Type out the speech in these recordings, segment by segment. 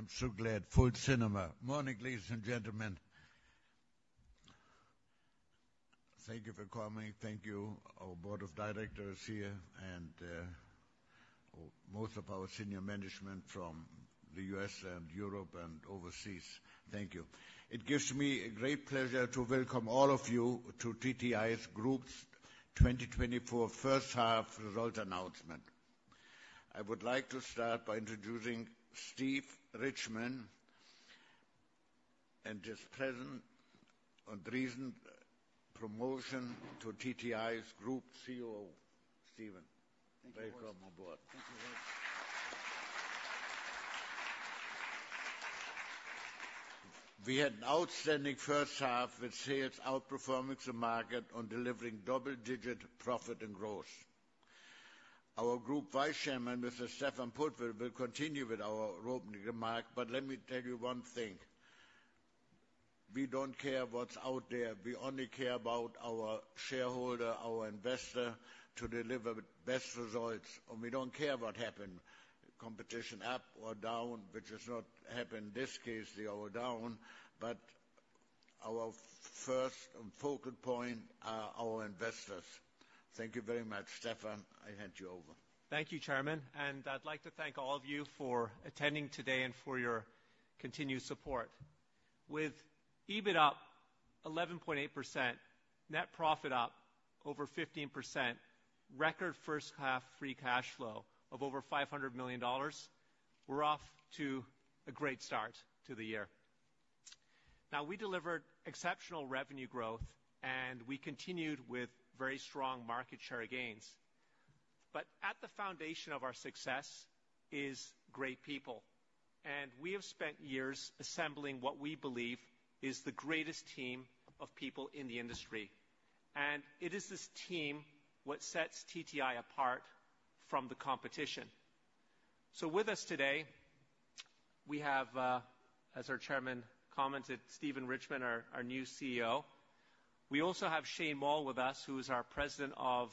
I'm so glad, full cinema. Morning, ladies and gentlemen. Thank you for coming. Thank you, our board of directors here, and, most of our senior management from the U.S., and Europe, and overseas, thank you. It gives me a great pleasure to welcome all of you to TTI Group's 2024 first half result announcement. I would like to start by introducing Steve Richman and his present and recent promotion to TTI Group's COO. Steven, welcome aboard. Thank you. We had an outstanding first half, with sales outperforming the market and delivering double-digit profit and growth. Our Group Vice Chairman, Mr. Stephan Pudwill, will continue with our opening remark, but let me tell you one thing, we don't care what's out there. We only care about our shareholder, our investor, to deliver the best results, and we don't care what happen. Competition up or down, which has not happened in this case, they are down, but our first and focal point are our investors. Thank you very much. Stephan, I hand you over. Thank you, Chairman, and I'd like to thank all of you for attending today and for your continued support. With EBIT up 11.8%, net profit up over 15%, record first half free cash flow of over $500 million, we're off to a great start to the year. Now, we delivered exceptional revenue growth, and we continued with very strong market share gains. But at the foundation of our success is great people, and we have spent years assembling what we believe is the greatest team of people in the industry. And it is this team what sets TTI apart from the competition. So with us today, we have, as our chairman commented, Steven Richman, our, our new CEO. We also have Shane Moll with us, who is our President of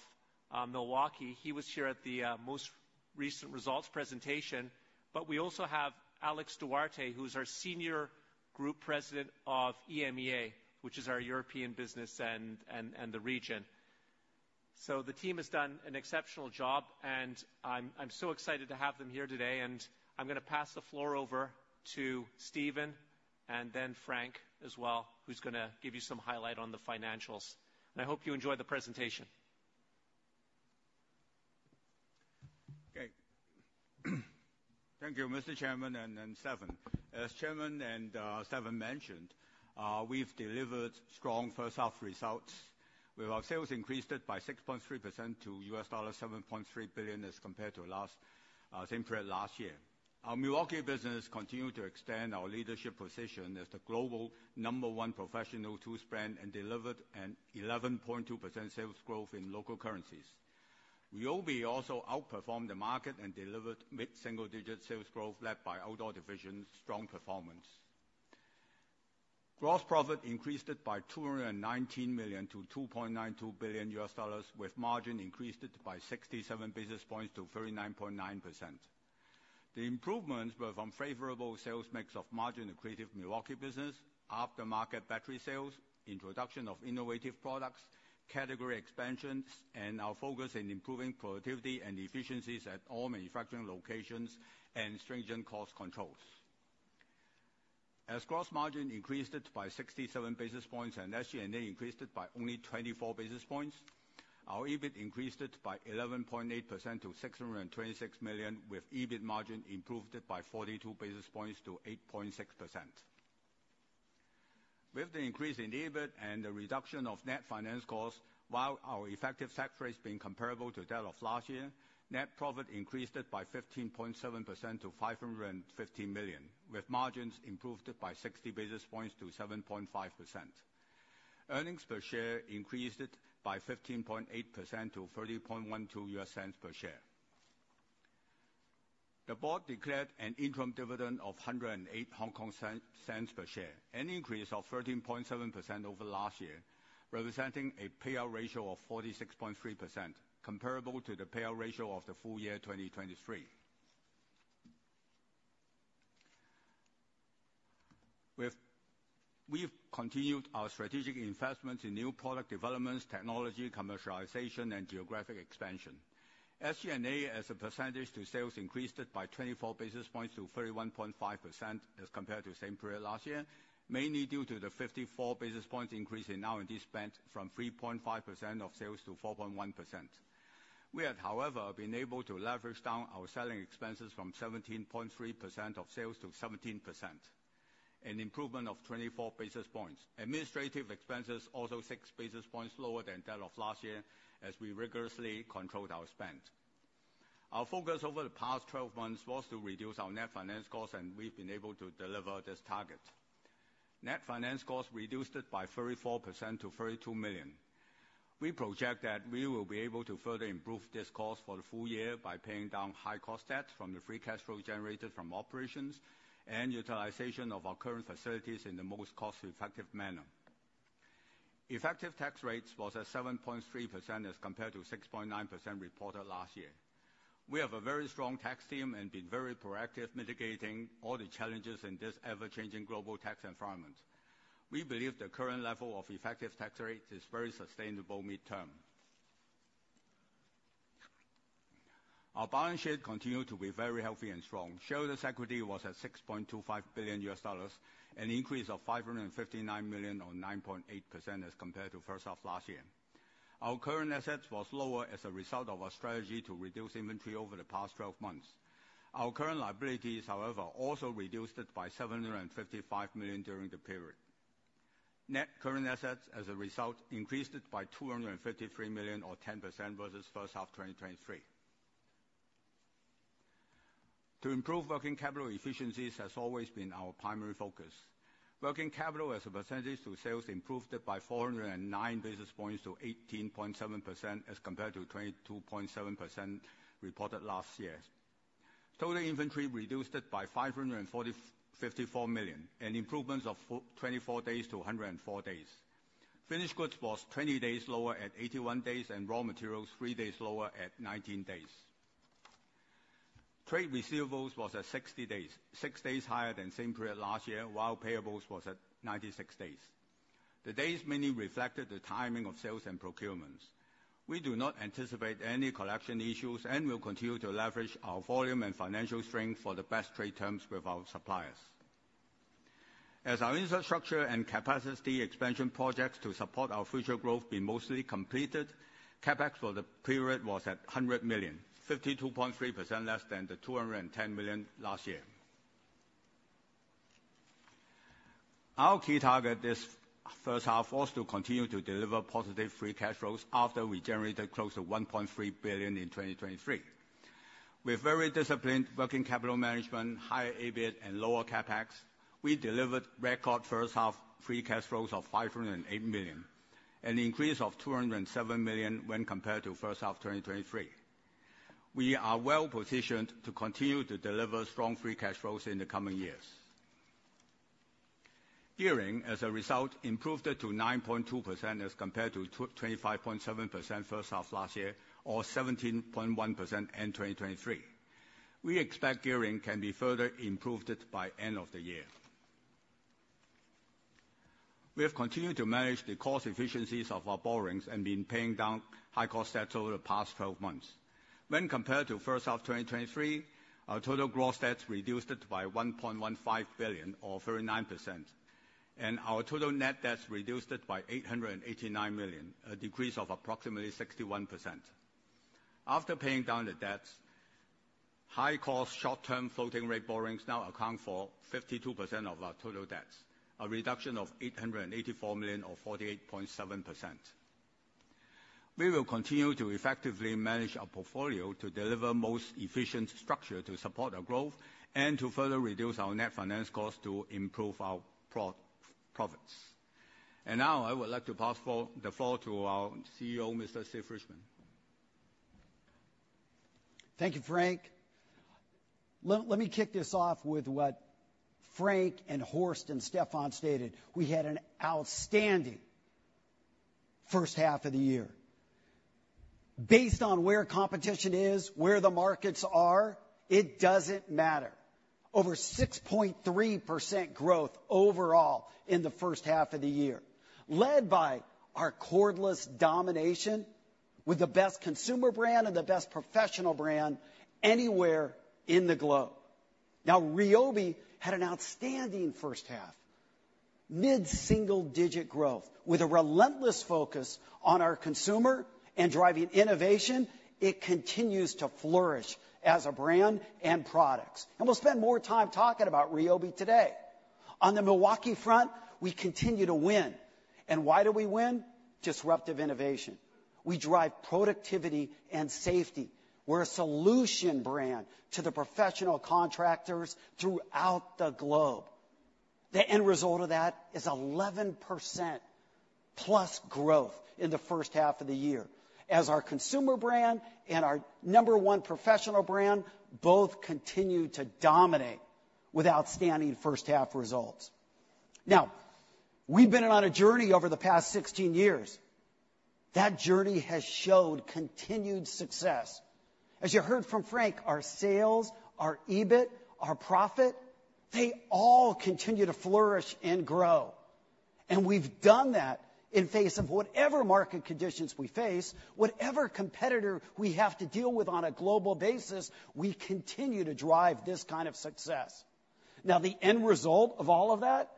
Milwaukee. He was here at the, most recent results presentation. But we also have Alex Duarte, who is our Senior Group President of EMEA, which is our European business and the region. So the team has done an exceptional job, and I'm so excited to have them here today. And I'm gonna pass the floor over to Steven, and then Frank as well, who's gonna give you some highlight on the financials, and I hope you enjoy the presentation. Okay. Thank you, Mr. Chairman, and then Stephan. As chairman and, Stephan mentioned, we've delivered strong first half results with our sales increased by 6.3% to $7.3 billion as compared to last, same period last year. Our Milwaukee business continued to extend our leadership position as the global number 1 professional tools brand, and delivered an 11.2% sales growth in local currencies. Ryobi also outperformed the market and delivered mid-single digit sales growth, led by Outdoor division's strong performance. Gross profit increased it by $219 million to $2.92 billion, with margin increased it by 67 basis points to 39.9%. The improvements were from favorable sales mix of margin in accretive Milwaukee business, aftermarket battery sales, introduction of innovative products, category expansions, and our focus in improving productivity and efficiencies at all manufacturing locations and stringent cost controls. As gross margin increased it by 67 basis points, and SG&A increased it by only 24 basis points, our EBIT increased it by 11.8% to $626 million, with EBIT margin improved it by 42 basis points to 8.6%. With the increase in EBIT and the reduction of net finance costs, while our effective tax rate has been comparable to that of last year, net profit increased it by 15.7% to $550 million, with margins improved by 60 basis points to 7.5%. Earnings per share increased it by 15.8% to $0.3012 per share. The board declared an interim dividend of HK$1.08 per share, an increase of 13.7% over last year, representing a payout ratio of 46.3%, comparable to the payout ratio of the full year 2023. We've continued our strategic investment in new product developments, technology, commercialization, and geographic expansion. SG&A, as a percentage to sales, increased it by 24 basis points to 31.5% as compared to the same period last year, mainly due to the 54 basis points increase in R&D spend from 3.5% of sales to 4.1%. We have, however, been able to leverage down our selling expenses from 17.3% of sales to 17%, an improvement of 24 basis points. Administrative expenses, also 6 basis points lower than that of last year, as we rigorously controlled our spend. Our focus over the past 12 months was to reduce our net finance costs, and we've been able to deliver this target. Net finance costs reduced it by 34% to $32 million. We project that we will be able to further improve this cost for the full year by paying down high cost debt from the free cash flow generated from operations and utilization of our current facilities in the most cost-effective manner. Effective tax rates was at 7.3% as compared to 6.9% reported last year. We have a very strong tax team and been very proactive, mitigating all the challenges in this ever-changing global tax environment. We believe the current level of effective tax rate is very sustainable mid-term. Our balance sheet continued to be very healthy and strong. Shareholders' equity was at $6.25 billion, an increase of $559 million, or 9.8%, as compared to first half last year. Our current assets was lower as a result of our strategy to reduce inventory over the past 12 months. Our current liabilities, however, also reduced it by $755 million during the period. Net current assets, as a result, increased it by $253 million, or 10%, versus first half 2023. To improve working capital efficiencies has always been our primary focus. Working capital as a percentage to sales improved it by 409 basis points to 18.7%, as compared to 22.7% reported last year. Total inventory reduced it by $554 million, an improvement of 24 days to 104 days. Finished goods was 20 days lower at 81 days, and raw materials, 3 days lower at 19 days. Trade receivables was at 60 days, 6 days higher than same period last year, while payables was at 96 days. The days mainly reflected the timing of sales and procurements. We do not anticipate any collection issues and will continue to leverage our volume and financial strength for the best trade terms with our suppliers. As our infrastructure and capacity expansion projects to support our future growth been mostly completed, CapEx for the period was at $100 million, 52.3% less than the $210 million last year. Our key target this first half was to continue to deliver positive free cash flows after we generated close to $1.3 billion in 2023. With very disciplined working capital management, higher EBIT, and lower CapEx, we delivered record first half free cash flows of $508 million, an increase of $207 million when compared to first half 2023. We are well-positioned to continue to deliver strong free cash flows in the coming years. Gearing, as a result, improved it to 9.2% as compared to 25.7% first half last year, or 17.1% in 2023. We expect gearing can be further improved by end of the year. We have continued to manage the cost efficiencies of our borrowings and been paying down high-cost debts over the past 12 months. When compared to first half 2023, our total gross debts reduced by $1.15 billion, or 39%, and our total net debts reduced by $889 million, a decrease of approximately 61%. After paying down the debts, high-cost, short-term floating rate borrowings now account for 52% of our total debts, a reduction of $884 million, or 48.7%. We will continue to effectively manage our portfolio to deliver most efficient structure to support our growth and to further reduce our net finance costs to improve our profits. Now, I would like to pass the floor to our CEO, Mr. Steve Richman. Thank you, Frank. Let me kick this off with what Frank and Horst and Stephan stated. We had an outstanding first half of the year. Based on where competition is, where the markets are, it doesn't matter. Over 6.3% growth overall in the first half of the year, led by our cordless domination, with the best consumer brand and the best professional brand anywhere in the globe. Now, RYOBI had an outstanding first half, mid-single-digit growth. With a relentless focus on our consumer and driving innovation, it continues to flourish as a brand and products. And we'll spend more time talking about RYOBI today. On the Milwaukee front, we continue to win. And why do we win? Disruptive innovation. We drive productivity and safety. We're a solution brand to the professional contractors throughout the globe. The end result of that is 11%+ growth in the first half of the year, as our consumer brand and our number one professional brand both continue to dominate with outstanding first half results. Now, we've been on a journey over the past 16 years. That journey has showed continued success. As you heard from Frank, our sales, our EBIT, our profit, they all continue to flourish and grow, and we've done that in face of whatever market conditions we face, whatever competitor we have to deal with on a global basis, we continue to drive this kind of success. Now, the end result of all of that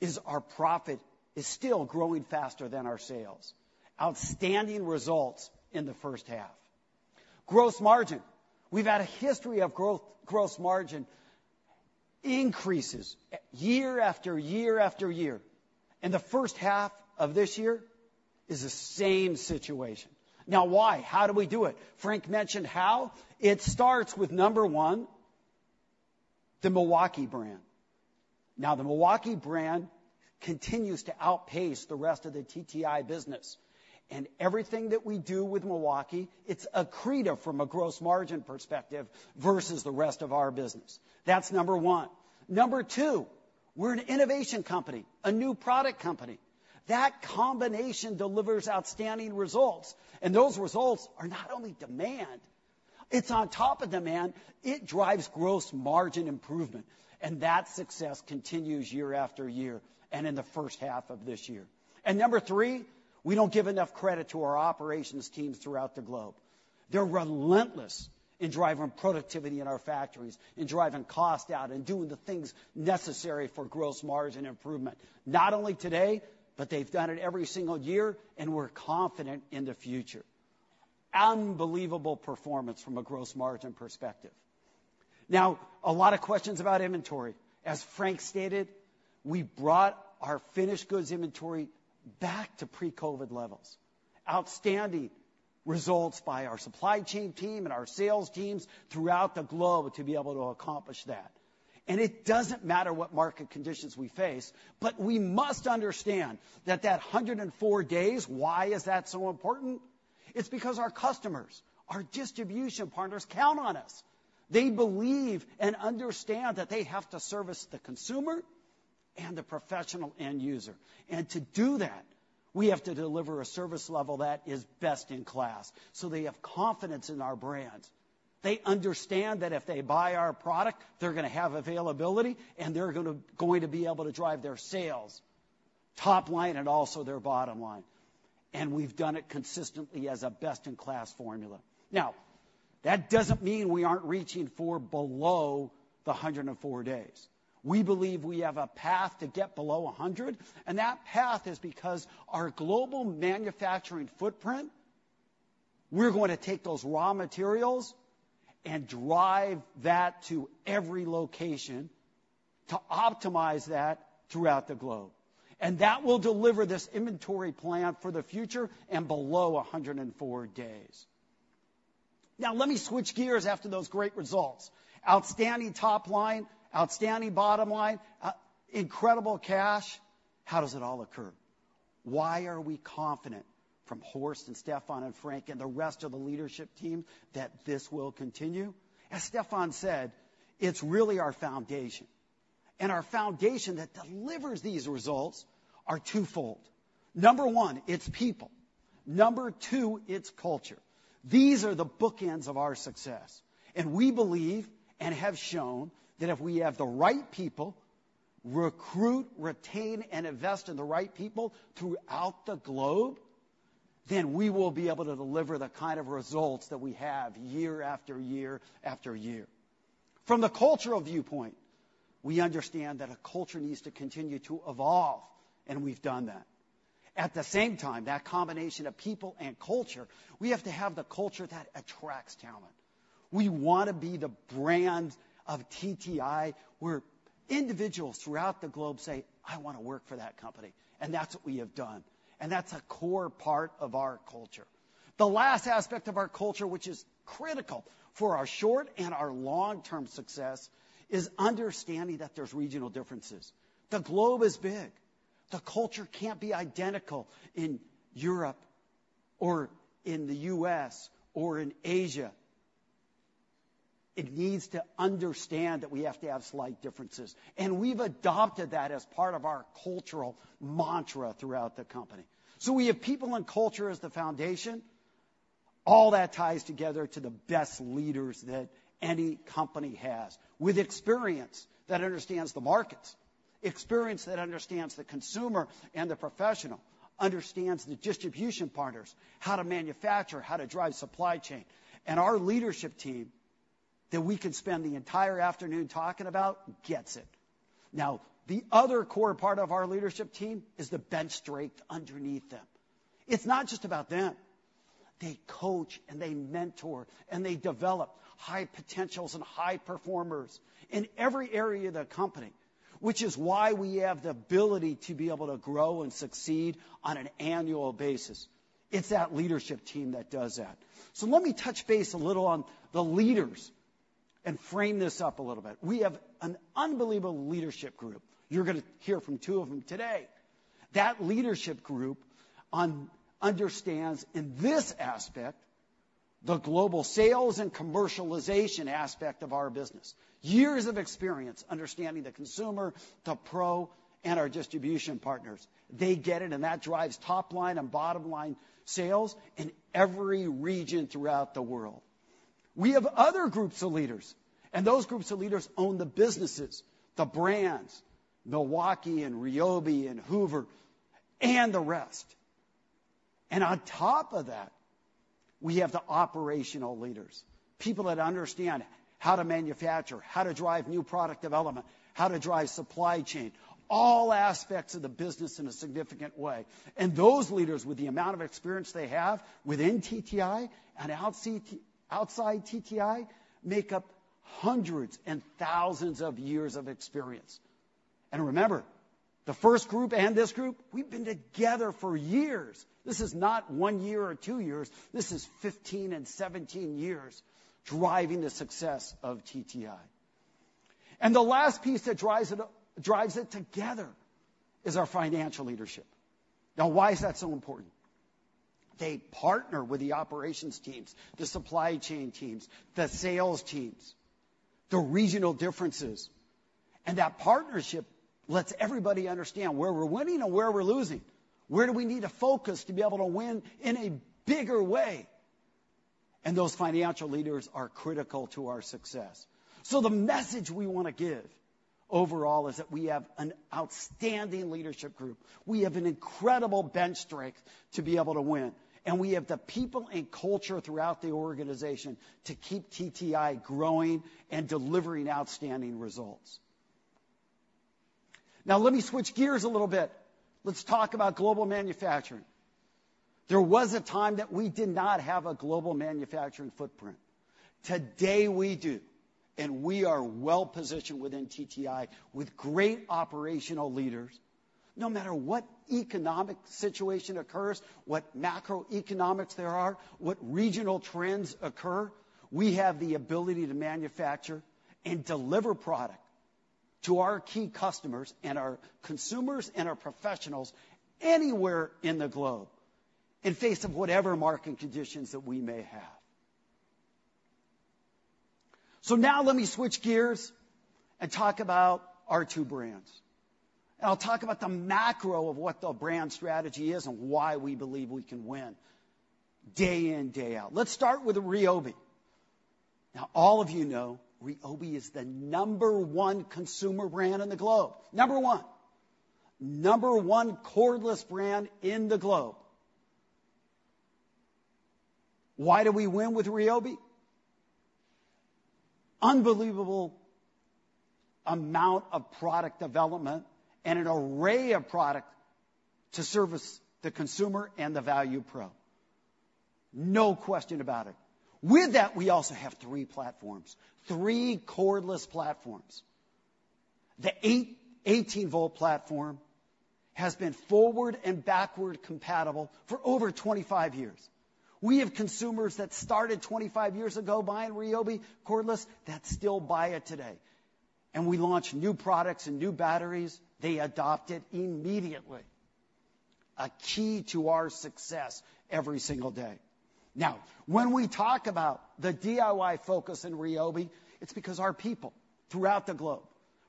is our profit is still growing faster than our sales. Outstanding results in the first half. Gross margin. We've had a history of gross margin increases year after year after year, and the first half of this year is the same situation. Now, why? How do we do it? Frank mentioned how. It starts with, number one, the Milwaukee brand. Now, the Milwaukee brand continues to outpace the rest of the TTI business, and everything that we do with Milwaukee, it's accretive from a gross margin perspective versus the rest of our business. That's number one. Number two, we're an innovation company, a new product company. That combination delivers outstanding results, and those results are not only demand, it's on top of demand. It drives gross margin improvement, and that success continues year after year, and in the first half of this year. And number three, we don't give enough credit to our operations teams throughout the globe. They're relentless in driving productivity in our factories and driving cost out and doing the things necessary for gross margin improvement, not only today, but they've done it every single year, and we're confident in the future. Unbelievable performance from a gross margin perspective. Now, a lot of questions about inventory. As Frank stated, we brought our finished goods inventory back to pre-COVID levels. Outstanding results by our supply chain team and our sales teams throughout the globe to be able to accomplish that. And it doesn't matter what market conditions we face, but we must understand that that 104 days, why is that so important? It's because our customers, our distribution partners, count on us. They believe and understand that they have to service the consumer and the professional end user, and to do that, we have to deliver a service level that is best-in-class, so they have confidence in our brands. They understand that if they buy our product, they're gonna have availability, and they're going to be able to drive their sales, top line and also their bottom line. And we've done it consistently as a best-in-class formula. Now, that doesn't mean we aren't reaching for below 104 days. We believe we have a path to get below 100, and that path is because our global manufacturing footprint, we're going to take those raw materials and drive that to every location to optimize that throughout the globe. And that will deliver this inventory plan for the future and below 104 days. Now, let me switch gears after those great results. Outstanding top line, outstanding bottom line, incredible cash. How does it all occur? Why are we confident, from Horst and Stephan and Frank and the rest of the leadership team, that this will continue? As Stephan said, it's really our foundation, and our foundation that delivers these results are twofold. Number one, it's people. Number two, it's culture. These are the bookends of our success, and we believe and have shown that if we have the right people, recruit, retain, and invest in the right people throughout the globe, then we will be able to deliver the kind of results that we have year after year after year. From the cultural viewpoint, we understand that a culture needs to continue to evolve, and we've done that. At the same time, that combination of people and culture, we have to have the culture that attracts talent. We want to be the brand of TTI, where individuals throughout the globe say, "I want to work for that company," and that's what we have done. That's a core part of our culture. The last aspect of our culture, which is critical for our short- and long-term success, is understanding that there's regional differences. The globe is big. The culture can't be identical in Europe or in the U.S. or in Asia. It needs to understand that we have to have slight differences, and we've adopted that as part of our cultural mantra throughout the company. We have people and culture as the foundation. All that ties together to the best leaders that any company has, with experience that understands the markets, experience that understands the consumer and the professional, understands the distribution partners, how to manufacture, how to drive supply chain. Our leadership team, that we could spend the entire afternoon talking about, gets it. Now, the other core part of our leadership team is the bench strength underneath them. It's not just about them. They coach, and they mentor, and they develop high potentials and high performers in every area of the company, which is why we have the ability to be able to grow and succeed on an annual basis. It's that leadership team that does that. Let me touch base a little on the leaders and frame this up a little bit. We have an unbelievable leadership group. You're gonna hear from two of them today. That leadership group understands, in this aspect, the global sales and commercialization aspect of our business. Years of experience understanding the consumer, the pro, and our distribution partners. They get it, and that drives top-line and bottom-line sales in every region throughout the world. We have other groups of leaders, and those groups of leaders own the businesses, the brands, Milwaukee and Ryobi and Hoover and the rest. On top of that, we have the operational leaders, people that understand how to manufacture, how to drive new product development, how to drive supply chain, all aspects of the business in a significant way. And those leaders, with the amount of experience they have within TTI and outside TTI, make up hundreds and thousands of years of experience. Remember, the first group and this group, we've been together for years. This is not 1 year or 2 years. This is 15 and 17 years driving the success of TTI. And the last piece that drives it, drives it together is our financial leadership. Now, why is that so important? They partner with the operations teams, the supply chain teams, the sales teams, the regional differences. And that partnership lets everybody understand where we're winning and where we're losing, where do we need to focus to be able to win in a bigger way? And those financial leaders are critical to our success. So the message we want to give overall is that we have an outstanding leadership group. We have an incredible bench strength to be able to win, and we have the people and culture throughout the organization to keep TTI growing and delivering outstanding results. Now, let me switch gears a little bit. Let's talk about global manufacturing. There was a time that we did not have a global manufacturing footprint. Today, we do, and we are well-positioned within TTI with great operational leaders. No matter what economic situation occurs, what macroeconomics there are, what regional trends occur, we have the ability to manufacture and deliver product to our key customers and our consumers and our professionals anywhere in the globe, in face of whatever market conditions that we may have. So now let me switch gears and talk about our two brands. And I'll talk about the macro of what the brand strategy is and why we believe we can win day in, day out. Let's start with RYOBI. Now, all of you know RYOBI is the number one consumer brand in the globe. Number one! Number one cordless brand in the globe. Why do we win with RYOBI? Unbelievable amount of product development and an array of product to service the consumer and the value pro, no question about it. With that, we also have three platforms, three cordless platforms. The eighteen-volt platform has been forward and backward compatible for over 25 years. We have consumers that started 25 years ago buying Ryobi cordless that still buy it today. And we launch new products and new batteries, they adopt it immediately. A key to our success every single day. Now, when we talk about the DIY focus in Ryobi, it's because our people throughout the globe,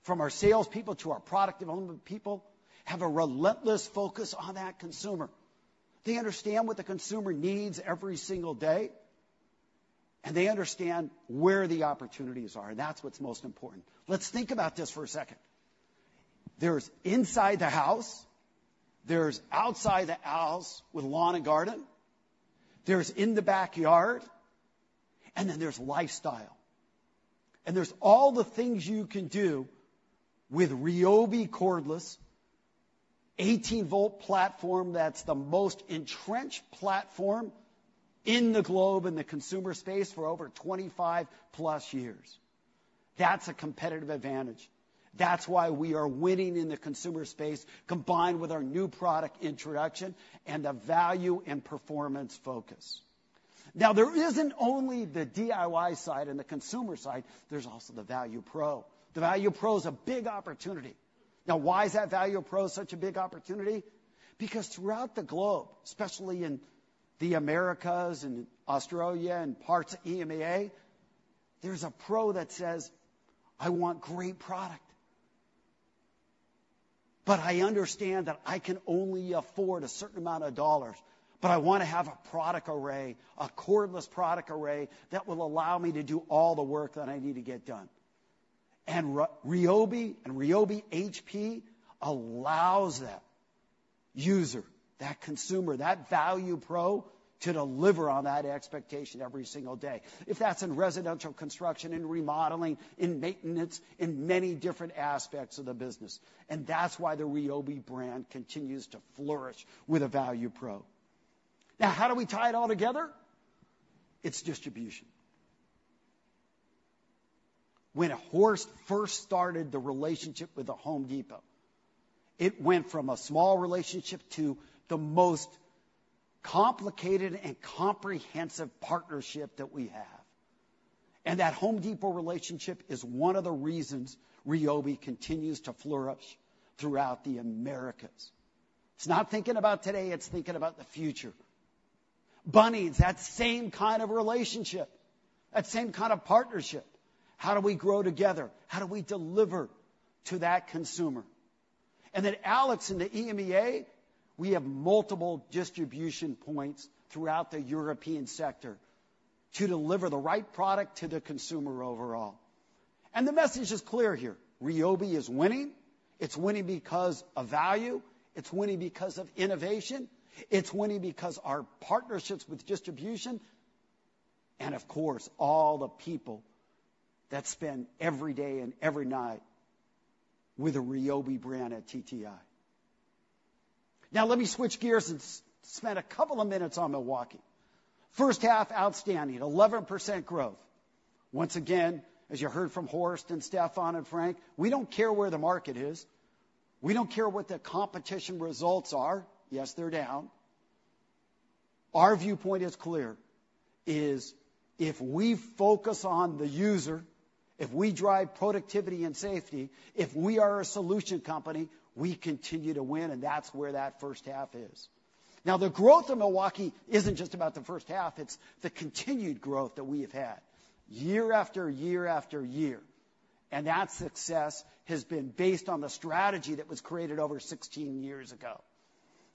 from our salespeople to our product development people, have a relentless focus on that consumer. They understand what the consumer needs every single day, and they understand where the opportunities are, and that's what's most important. Let's think about this for a second. There's inside the house, there's outside the house with lawn and garden, there's in the backyard, and then there's lifestyle. And there's all the things you can do with RYOBI cordless 18-volt platform, that's the most entrenched platform in the globe, in the consumer space for over 25+ years. That's a competitive advantage. That's why we are winning in the consumer space, combined with our new product introduction and the value and performance focus. Now, there isn't only the DIY side and the consumer side, there's also the value pro. The value pro is a big opportunity. Now, why is that value pro such a big opportunity? Because throughout the globe, especially in the Americas and Australia and parts of EMEA, there's a pro that says, "I want great product, but I understand that I can only afford a certain amount of dollars, but I wanna have a product array, a cordless product array, that will allow me to do all the work that I need to get done." And Ryobi and Ryobi HP allows that user, that consumer, that value pro, to deliver on that expectation every single day. If that's in residential construction and remodeling, in maintenance, in many different aspects of the business. And that's why the Ryobi brand continues to flourish with a value pro. Now, how do we tie it all together? It's distribution. When Horst first started the relationship with The Home Depot, it went from a small relationship to the most complicated and comprehensive partnership that we have. And that Home Depot relationship is one of the reasons Ryobi continues to flourish throughout the Americas. It's not thinking about today, it's thinking about the future. Bunnings, that same kind of relationship, that same kind of partnership. How do we grow together? How do we deliver to that consumer? And then Alex, in the EMEA, we have multiple distribution points throughout the European sector to deliver the right product to the consumer overall. And the message is clear here, Ryobi is winning. It's winning because of value, it's winning because of innovation, it's winning because our partnerships with distribution, and of course, all the people that spend every day and every night with the Ryobi brand at TTI. Now, let me switch gears and spend a couple of minutes on Milwaukee. First half, outstanding, 11% growth. Once again, as you heard from Horst and Stephan and Frank, we don't care where the market is. We don't care what the competition results are. Yes, they're down. Our viewpoint is clear: if we focus on the user, if we drive productivity and safety, if we are a solution company, we continue to win, and that's where that first half is. Now, the growth of Milwaukee isn't just about the first half, it's the continued growth that we have had year after year after year, and that success has been based on the strategy that was created over 16 years ago.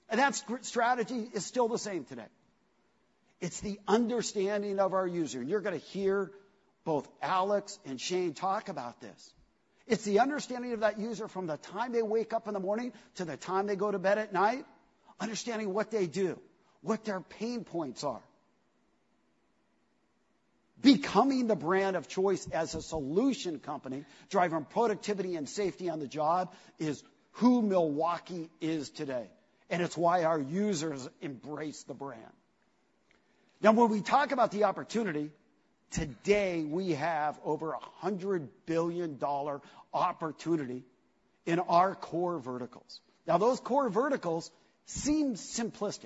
And that strategy is still the same today. It's the understanding of our user. You're gonna hear both Alex and Shane talk about this. It's the understanding of that user from the time they wake up in the morning to the time they go to bed at night, understanding what they do, what their pain points are. Becoming the brand of choice as a solution company, driving productivity and safety on the job, is who Milwaukee is today, and it's why our users embrace the brand. Now, when we talk about the opportunity, today, we have over $100 billion opportunity in our core verticals. Now, those core verticals seem simplistic.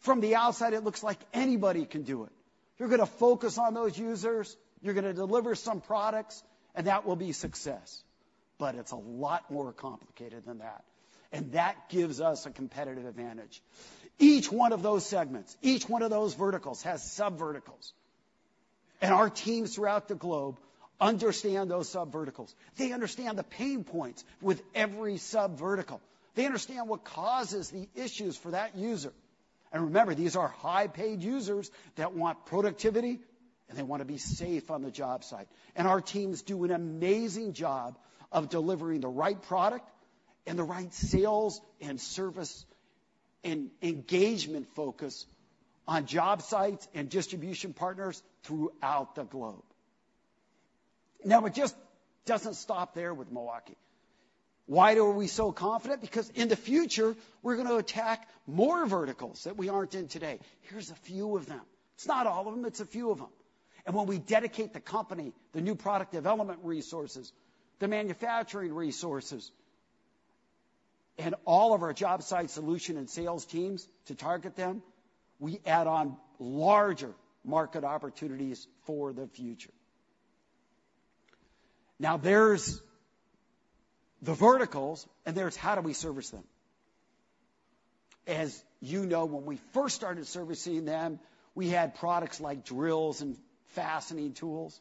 From the outside, it looks like anybody can do it. You're gonna focus on those users, you're gonna deliver some products, and that will be success. But it's a lot more complicated than that, and that gives us a competitive advantage. Each one of those segments, each one of those verticals, has sub-verticals, and our teams throughout the globe understand those sub-verticals. They understand the pain points with every sub-vertical. They understand what causes the issues for that user. And remember, these are high-paid users that want productivity, and they want to be safe on the job site. And our teams do an amazing job of delivering the right product and the right sales and service and engagement focus on job sites and distribution partners throughout the globe. Now, it just doesn't stop there with Milwaukee. Why are we so confident? Because in the future, we're gonna attack more verticals that we aren't in today. Here's a few of them. It's not all of them, it's a few of them. And when we dedicate the company, the new product development resources, the manufacturing resources, and all of our job site solution and sales teams to target them, we add on larger market opportunities for the future. Now, there's the verticals, and there's how do we service them? As you know, when we first started servicing them, we had products like drills and fastening tools.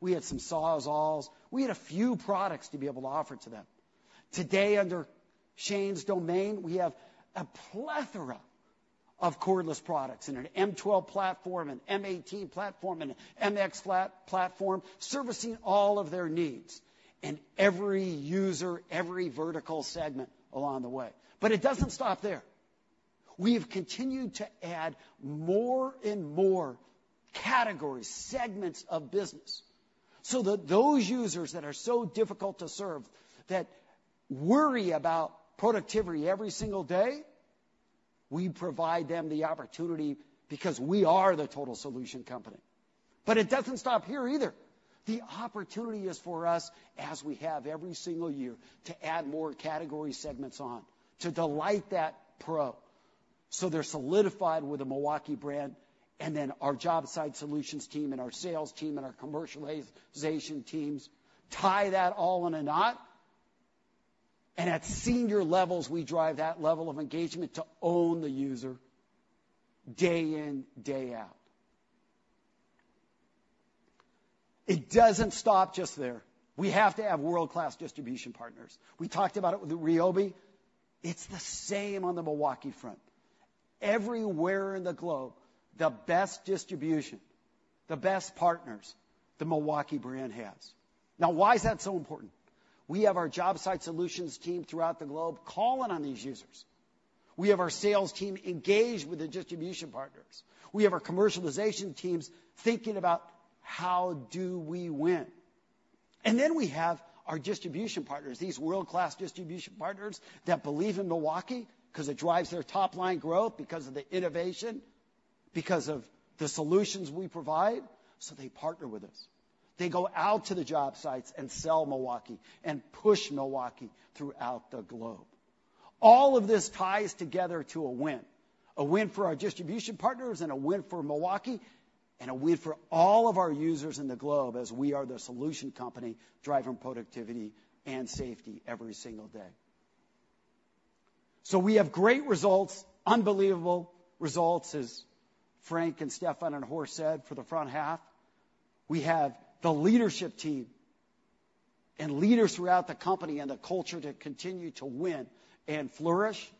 We had some Sawzalls. We had a few products to be able to offer to them. Today, under Shane's domain, we have a plethora of cordless products in an M12 platform, an M18 platform, and an MX FUEL platform, servicing all of their needs and every user, every vertical segment along the way. But it doesn't stop there. We have continued to add more and more categories, segments of business, so that those users that are so difficult to serve, that worry about productivity every single day, we provide them the opportunity because we are the total solution company. But it doesn't stop here either. The opportunity is for us, as we have every single year, to add more category segments on, to delight that pro, so they're solidified with the Milwaukee brand, and then our Jobsite Solutions team and our sales team and our commercialization teams tie that all in a knot, and at senior levels, we drive that level of engagement to own the user day in, day out. It doesn't stop just there. We have to have world-class distribution partners. We talked about it with the RYOBI. It's the same on the Milwaukee front. Everywhere in the globe, the best distribution, the best partners the Milwaukee brand has. Now, why is that so important? We have our Jobsite Solutions team throughout the globe calling on these users. We have our sales team engaged with the distribution partners. We have our commercialization teams thinking about, how do we win? Then we have our distribution partners, these world-class distribution partners, that believe in Milwaukee because it drives their top-line growth, because of the innovation, because of the solutions we provide, so they partner with us. They go out to the job sites and sell Milwaukee and push Milwaukee throughout the globe. All of this ties together to a win, a win for our distribution partners, and a win for Milwaukee, and a win for all of our users in the globe as we are the solution company, driving productivity and safety every single day. We have great results, unbelievable results, as Frank and Stephan and Horst said, for the front half. We have the leadership team and leaders throughout the company and the culture to continue to win and flourish.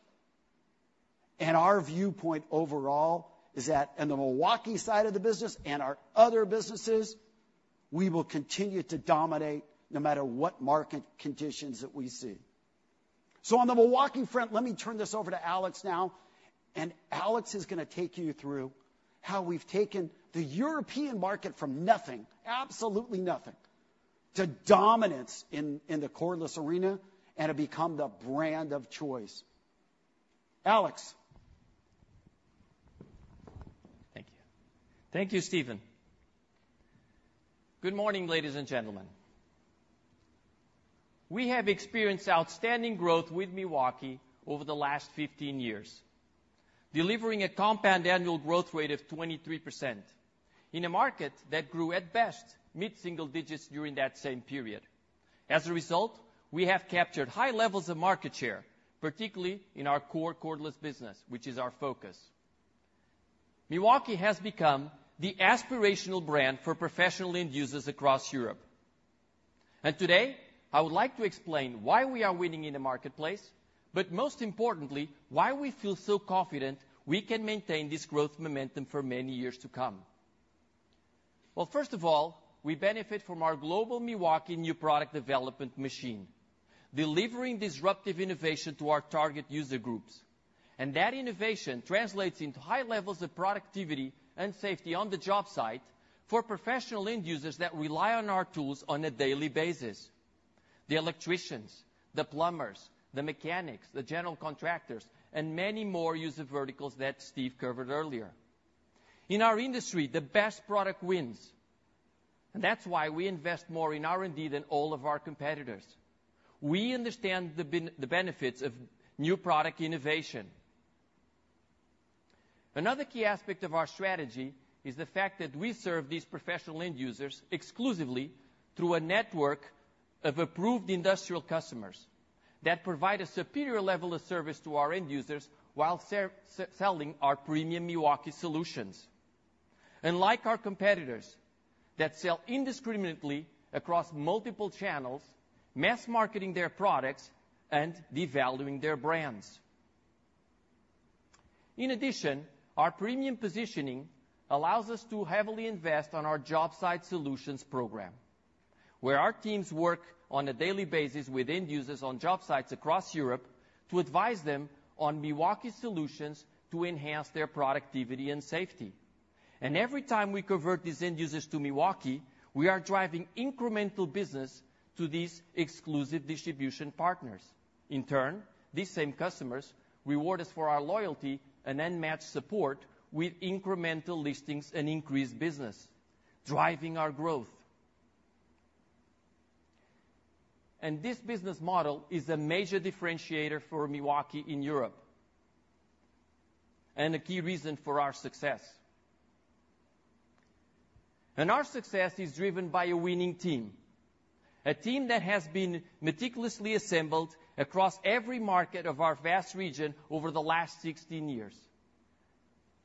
Our viewpoint overall is that in the Milwaukee side of the business and our other businesses, we will continue to dominate no matter what market conditions that we see. So on the Milwaukee front, let me turn this over to Alex now, and Alex is gonna take you through how we've taken the European market from nothing, absolutely nothing, to dominance in, in the cordless arena and have become the brand of choice. Alex? Thank you. Thank you, Steven. Good morning, ladies and gentlemen. We have experienced outstanding growth with Milwaukee over the last 15 years, delivering a compound annual growth rate of 23% in a market that grew, at best, mid-single digits during that same period. As a result, we have captured high levels of market share, particularly in our core cordless business, which is our focus. Milwaukee has become the aspirational brand for professional end users across Europe. And today, I would like to explain why we are winning in the marketplace, but most importantly, why we feel so confident we can maintain this growth momentum for many years to come. Well, first of all, we benefit from our global Milwaukee new product development machine, delivering disruptive innovation to our target user groups, and that innovation translates into high levels of productivity and safety on the job site for professional end users that rely on our tools on a daily basis. The electricians, the plumbers, the mechanics, the general contractors, and many more user verticals that Steve covered earlier. In our industry, the best product wins, and that's why we invest more in R&D than all of our competitors. We understand the benefits of new product innovation. Another key aspect of our strategy is the fact that we serve these professional end users exclusively through a network of approved industrial customers that provide a superior level of service to our end users while selling our premium Milwaukee solutions. Unlike our competitors, that sell indiscriminately across multiple channels, mass marketing their products and devaluing their brands. In addition, our premium positioning allows us to heavily invest on our Jobsite Solutions program, where our teams work on a daily basis with end users on job sites across Europe to advise them on Milwaukee solutions to enhance their productivity and safety. Every time we convert these end users to Milwaukee, we are driving incremental business to these exclusive distribution partners. In turn, these same customers reward us for our loyalty and unmatched support with incremental listings and increased business, driving our growth. This business model is a major differentiator for Milwaukee in Europe, and a key reason for our success. Our success is driven by a winning team, a team that has been meticulously assembled across every market of our vast region over the last 16 years.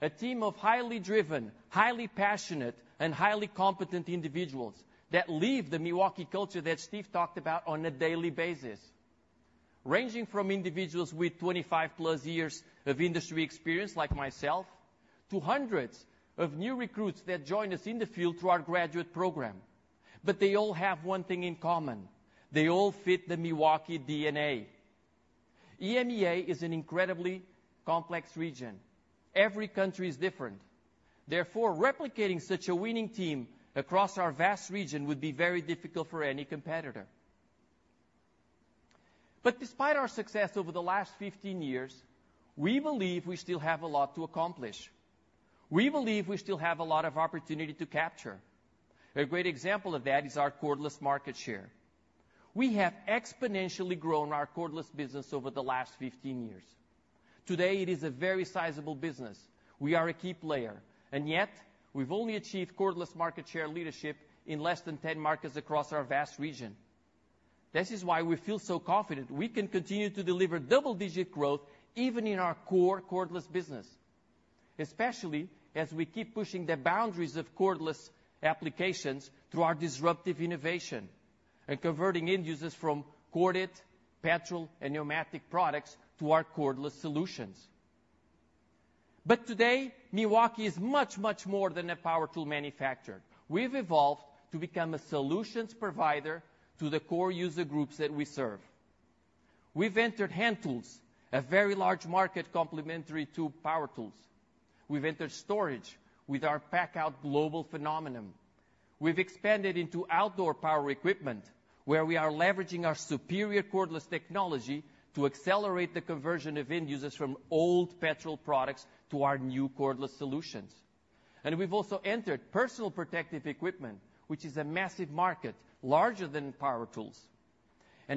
A team of highly driven, highly passionate, and highly competent individuals that live the Milwaukee culture that Steve talked about on a daily basis, ranging from individuals with 25+ years of industry experience, like myself, to hundreds of new recruits that join us in the field through our graduate program. But they all have one thing in common: they all fit the Milwaukee DNA. EMEA is an incredibly complex region. Every country is different, therefore, replicating such a winning team across our vast region would be very difficult for any competitor. But despite our success over the last 15 years, we believe we still have a lot to accomplish. We believe we still have a lot of opportunity to capture. A great example of that is our cordless market share. We have exponentially grown our cordless business over the last 15 years. Today, it is a very sizable business. We are a key player, and yet we've only achieved cordless market share leadership in less than 10 markets across our vast region. This is why we feel so confident we can continue to deliver double-digit growth, even in our core cordless business, especially as we keep pushing the boundaries of cordless applications through our disruptive innovation, and converting end users from corded, petrol, and pneumatic products to our cordless solutions. But today, Milwaukee is much, much more than a power tool manufacturer. We've evolved to become a solutions provider to the core user groups that we serve. We've entered hand tools, a very large market, complementary to power tools. We've entered storage with our PACKOUT global phenomenon. We've expanded into outdoor power equipment, where we are leveraging our superior cordless technology to accelerate the conversion of end users from old petrol products to our new cordless solutions. We've also entered personal protective equipment, which is a massive market, larger than power tools.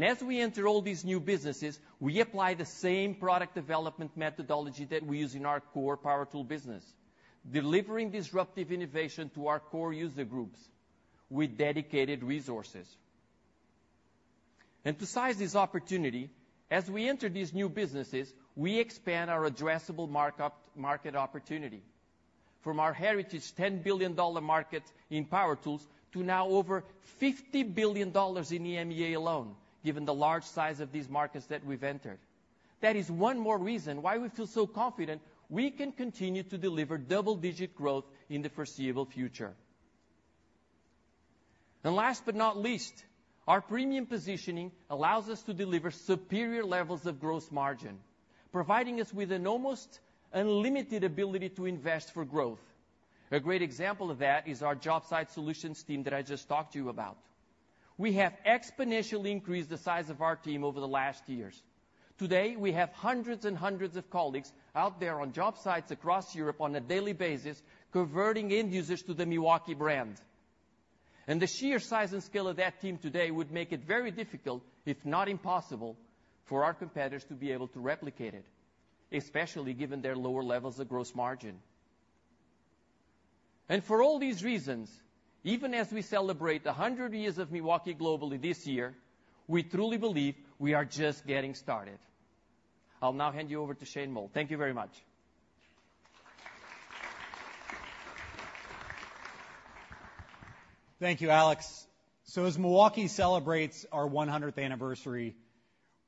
As we enter all these new businesses, we apply the same product development methodology that we use in our core power tool business, delivering disruptive innovation to our core user groups with dedicated resources. Besides this opportunity, as we enter these new businesses, we expand our addressable market, market opportunity from our heritage $10 billion market in power tools to now over $50 billion in EMEA alone, given the large size of these markets that we've entered. That is one more reason why we feel so confident we can continue to deliver double-digit growth in the foreseeable future. Last but not least, our premium positioning allows us to deliver superior levels of gross margin, providing us with an almost unlimited ability to invest for growth. A great example of that is our Jobsite Solutions team that I just talked to you about. We have exponentially increased the size of our team over the last years.... Today, we have hundreds and hundreds of colleagues out there on job sites across Europe on a daily basis, converting end users to the Milwaukee brand. And the sheer size and scale of that team today would make it very difficult, if not impossible, for our competitors to be able to replicate it, especially given their lower levels of gross margin. And for all these reasons, even as we celebrate 100 years of Milwaukee globally this year, we truly believe we are just getting started. I'll now hand you over to Shane Moll. Thank you very much. Thank you, Alex. So as Milwaukee celebrates our 100th anniversary,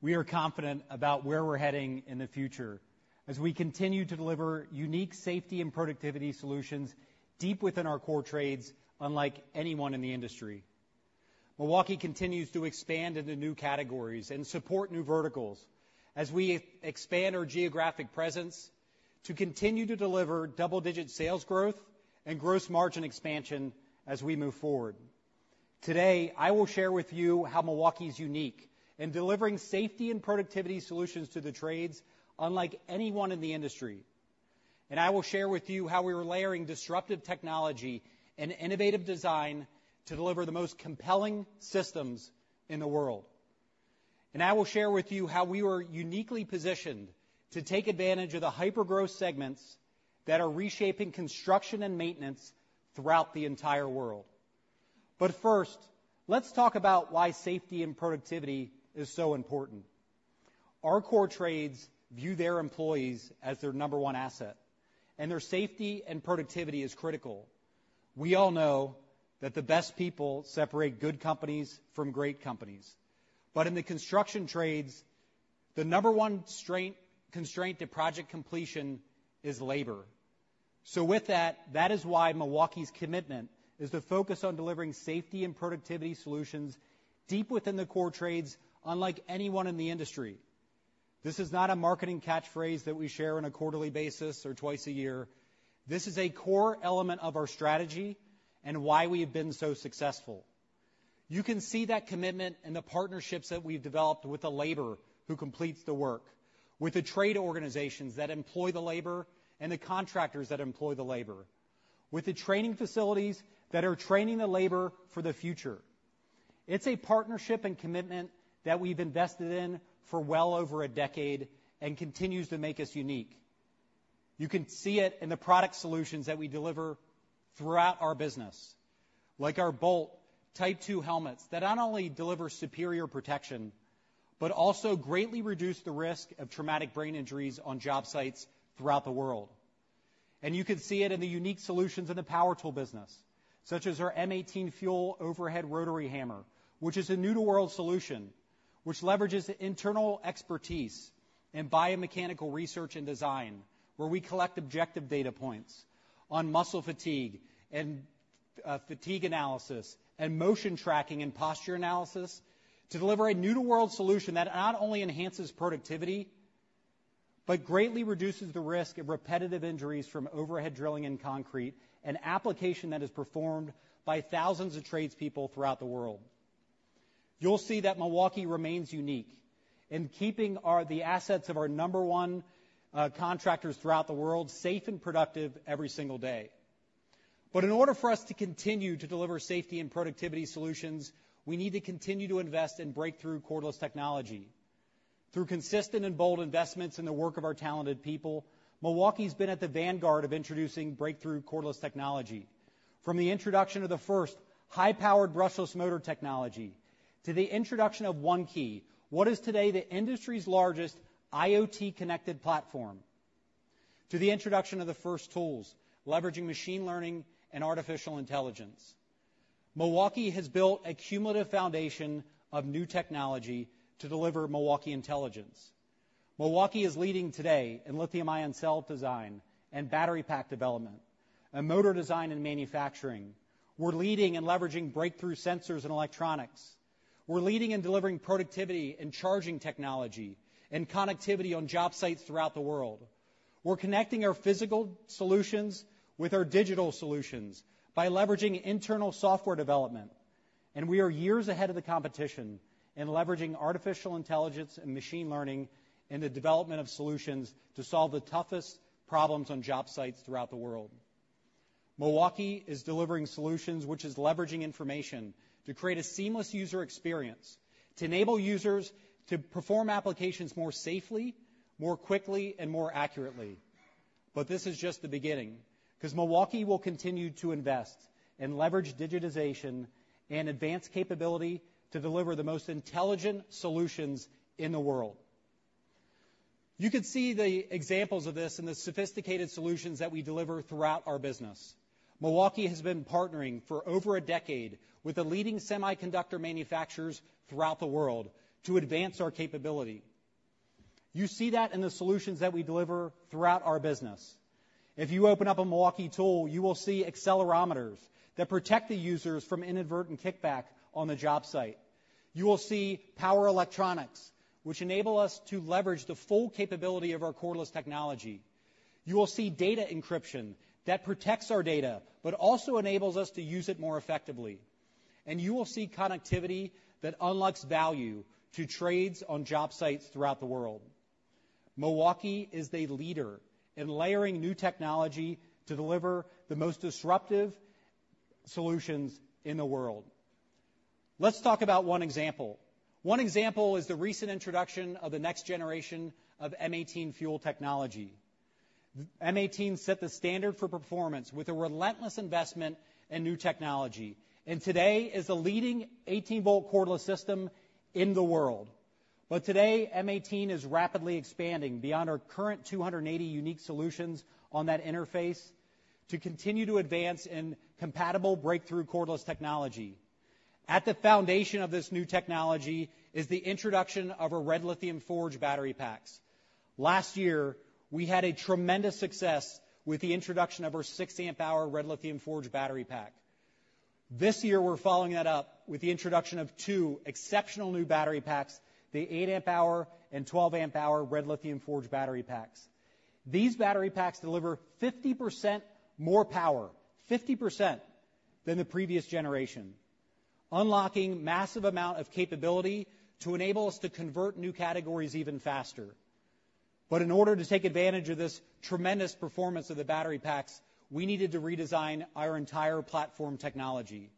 we are confident about where we're heading in the future as we continue to deliver unique safety and productivity solutions deep within our core trades, unlike anyone in the industry. Milwaukee continues to expand into new categories and support new verticals as we expand our geographic presence to continue to deliver double-digit sales growth and gross margin expansion as we move forward. Today, I will share with you how Milwaukee is unique in delivering safety and productivity solutions to the trades unlike anyone in the industry. I will share with you how we are layering disruptive technology and innovative design to deliver the most compelling systems in the world. I will share with you how we are uniquely positioned to take advantage of the hyper-growth segments that are reshaping construction and maintenance throughout the entire world. But first, let's talk about why safety and productivity is so important. Our core trades view their employees as their number one asset, and their safety and productivity is critical. We all know that the best people separate good companies from great companies. But in the construction trades, the number one strain, constraint to project completion is labor. So with that, that is why Milwaukee's commitment is to focus on delivering safety and productivity solutions deep within the core trades, unlike anyone in the industry. This is not a marketing catchphrase that we share on a quarterly basis or twice a year. This is a core element of our strategy and why we have been so successful. You can see that commitment in the partnerships that we've developed with the labor who completes the work, with the trade organizations that employ the labor, and the contractors that employ the labor, with the training facilities that are training the labor for the future. It's a partnership and commitment that we've invested in for well over a decade and continues to make us unique. You can see it in the product solutions that we deliver throughout our business, like our BOLT Type 2 helmets, that not only deliver superior protection, but also greatly reduce the risk of traumatic brain injuries on job sites throughout the world. You can see it in the unique solutions in the power tool business, such as our M18 FUEL Overhead Rotary Hammer, which is a new-to-world solution, which leverages internal expertise and biomechanical research and design, where we collect objective data points on muscle fatigue and fatigue analysis and motion tracking and posture analysis to deliver a new-to-world solution that not only enhances productivity, but greatly reduces the risk of repetitive injuries from overhead drilling in concrete, an application that is performed by thousands of tradespeople throughout the world. You'll see that Milwaukee remains unique in keeping the assets of our number one contractors throughout the world, safe and productive every single day. But in order for us to continue to deliver safety and productivity solutions, we need to continue to invest in breakthrough cordless technology. Through consistent and bold investments in the work of our talented people, Milwaukee has been at the vanguard of introducing breakthrough cordless technology. From the introduction of the first high-powered brushless motor technology, to the introduction of ONE-KEY, what is today the industry's largest IoT-connected platform, to the introduction of the first tools leveraging machine learning and artificial intelligence. Milwaukee has built a cumulative foundation of new technology to deliver Milwaukee Intelligence. Milwaukee is leading today in lithium-ion cell design and battery pack development and motor design and manufacturing. We're leading in leveraging breakthrough sensors and electronics. We're leading in delivering productivity and charging technology and connectivity on job sites throughout the world. We're connecting our physical solutions with our digital solutions by leveraging internal software development, and we are years ahead of the competition in leveraging artificial intelligence and machine learning in the development of solutions to solve the toughest problems on job sites throughout the world. Milwaukee is delivering solutions, which is leveraging information to create a seamless user experience, to enable users to perform applications more safely, more quickly, and more accurately. But this is just the beginning, because Milwaukee will continue to invest and leverage digitization and advanced capability to deliver the most intelligent solutions in the world. You could see the examples of this in the sophisticated solutions that we deliver throughout our business. Milwaukee has been partnering for over a decade with the leading semiconductor manufacturers throughout the world to advance our capability. You see that in the solutions that we deliver throughout our business. If you open up a Milwaukee tool, you will see accelerometers that protect the users from inadvertent kickback on the job site. You will see power electronics, which enable us to leverage the full capability of our cordless technology. You will see data encryption that protects our data, but also enables us to use it more effectively... and you will see connectivity that unlocks value to trades on job sites throughout the world. Milwaukee is a leader in layering new technology to deliver the most disruptive solutions in the world. Let's talk about one example. One example is the recent introduction of the next generation of M18 FUEL technology. M18 set the standard for performance with a relentless investment in new technology, and today is the leading 18-volt cordless system in the world. Today, M18 is rapidly expanding beyond our current 280 unique solutions on that interface to continue to advance in compatible breakthrough cordless technology. At the foundation of this new technology is the introduction of our REDLITHIUM FORGE battery packs. Last year, we had a tremendous success with the introduction of our 60 amp hour REDLITHIUM FORGE battery pack. This year, we're following that up with the introduction of two exceptional new battery packs, the 8 amp hour and 12 amp hour REDLITHIUM FORGE battery packs. These battery packs deliver 50% more power, 50%, than the previous generation, unlocking massive amount of capability to enable us to convert new categories even faster. But in order to take advantage of this tremendous performance of the battery packs, we needed to redesign our entire platform technology.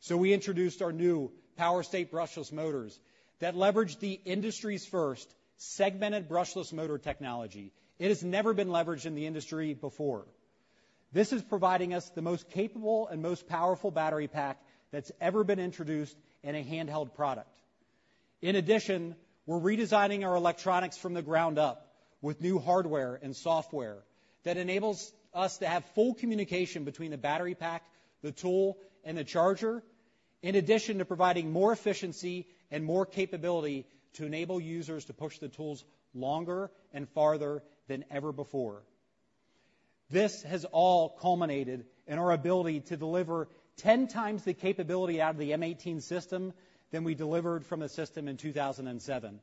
So we introduced our new POWERSTATE brushless motors that leverage the industry's first segmented brushless motor technology. It has never been leveraged in the industry before. This is providing us the most capable and most powerful battery pack that's ever been introduced in a handheld product. In addition, we're redesigning our electronics from the ground up with new hardware and software that enables us to have full communication between the battery pack, the tool, and the charger, in addition to providing more efficiency and more capability to enable users to push the tools longer and farther than ever before. This has all culminated in our ability to deliver 10 times the capability out of the M18 system than we delivered from the system in 2007.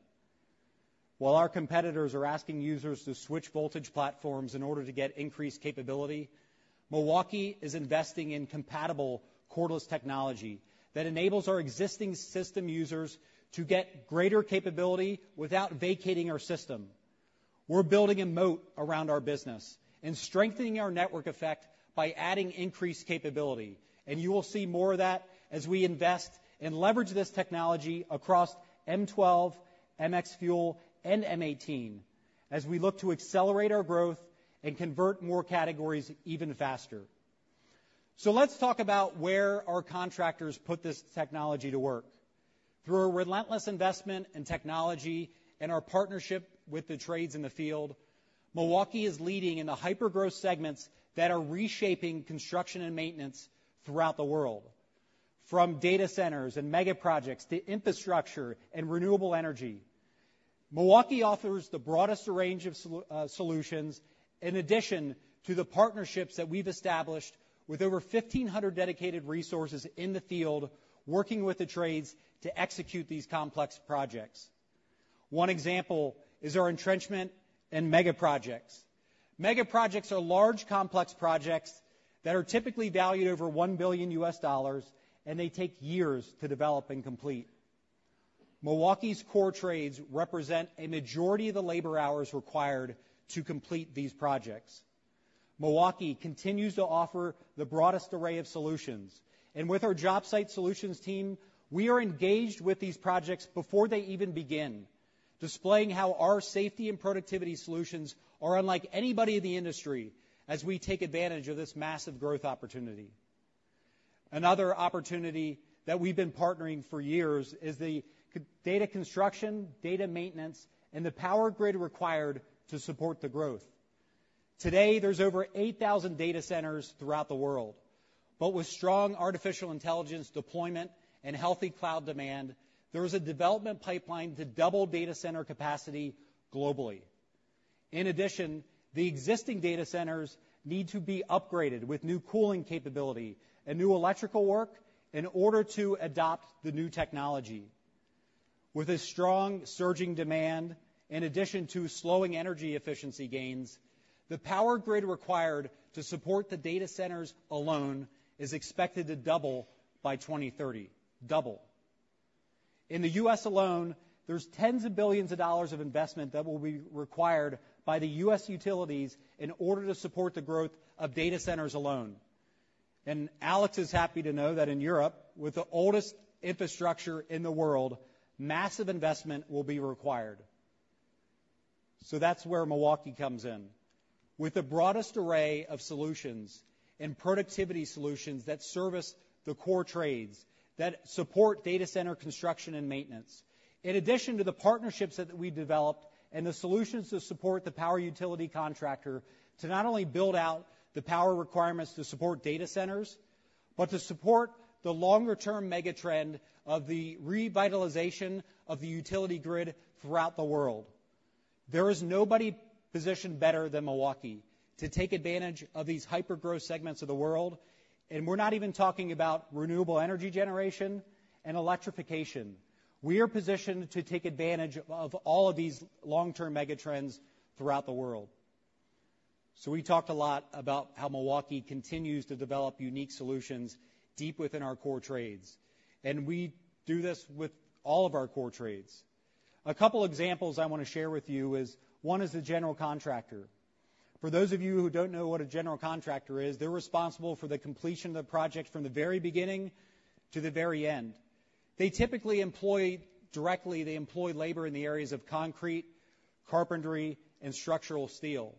While our competitors are asking users to switch voltage platforms in order to get increased capability, Milwaukee is investing in compatible cordless technology that enables our existing system users to get greater capability without vacating our system. We're building a moat around our business and strengthening our network effect by adding increased capability, and you will see more of that as we invest and leverage this technology across M12, MX FUEL, and M18 as we look to accelerate our growth and convert more categories even faster. So let's talk about where our contractors put this technology to work. Through our relentless investment in technology and our partnership with the trades in the field, Milwaukee is leading in the hyper-growth segments that are reshaping construction and maintenance throughout the world, from data centers and mega projects to infrastructure and renewable energy. Milwaukee offers the broadest range of solutions in addition to the partnerships that we've established with over 1,500 dedicated resources in the field, working with the trades to execute these complex projects. One example is our entrenchment in mega projects. Mega projects are large, complex projects that are typically valued over $1 billion, and they take years to develop and complete. Milwaukee's core trades represent a majority of the labor hours required to complete these projects. Milwaukee continues to offer the broadest array of solutions, and with our Jobsite Solutions team, we are engaged with these projects before they even begin, displaying how our safety and productivity solutions are unlike anybody in the industry as we take advantage of this massive growth opportunity. Another opportunity that we've been partnering for years is the data construction, data maintenance, and the power grid required to support the growth. Today, there's over 8,000 data centers throughout the world, but with strong artificial intelligence deployment and healthy cloud demand, there is a development pipeline to double data center capacity globally. In addition, the existing data centers need to be upgraded with new cooling capability and new electrical work in order to adopt the new technology. With a strong, surging demand, in addition to slowing energy efficiency gains, the power grid required to support the data centers alone is expected to double by 2030. Double. In the U.S. alone, there's $10s of billions of investment that will be required by the U.S. utilities in order to support the growth of data centers alone. Alex is happy to know that in Europe, with the oldest infrastructure in the world, massive investment will be required. That's where Milwaukee comes in. With the broadest array of solutions and productivity solutions that service the core trades, that support data center construction and maintenance, in addition to the partnerships that we've developed and the solutions to support the power utility contractor to not only build out the power requirements to support data centers, but to support the longer-term mega trend of the revitalization of the utility grid throughout the world. There is nobody positioned better than Milwaukee to take advantage of these hyper-growth segments of the world, and we're not even talking about renewable energy generation and electrification. We are positioned to take advantage of, of all of these long-term mega trends throughout the world.... So we talked a lot about how Milwaukee continues to develop unique solutions deep within our core trades, and we do this with all of our core trades. A couple examples I wanna share with you is, one is the general contractor. For those of you who don't know what a general contractor is, they're responsible for the completion of the project from the very beginning to the very end. They typically employ, directly, they employ labor in the areas of concrete, carpentry, and structural steel.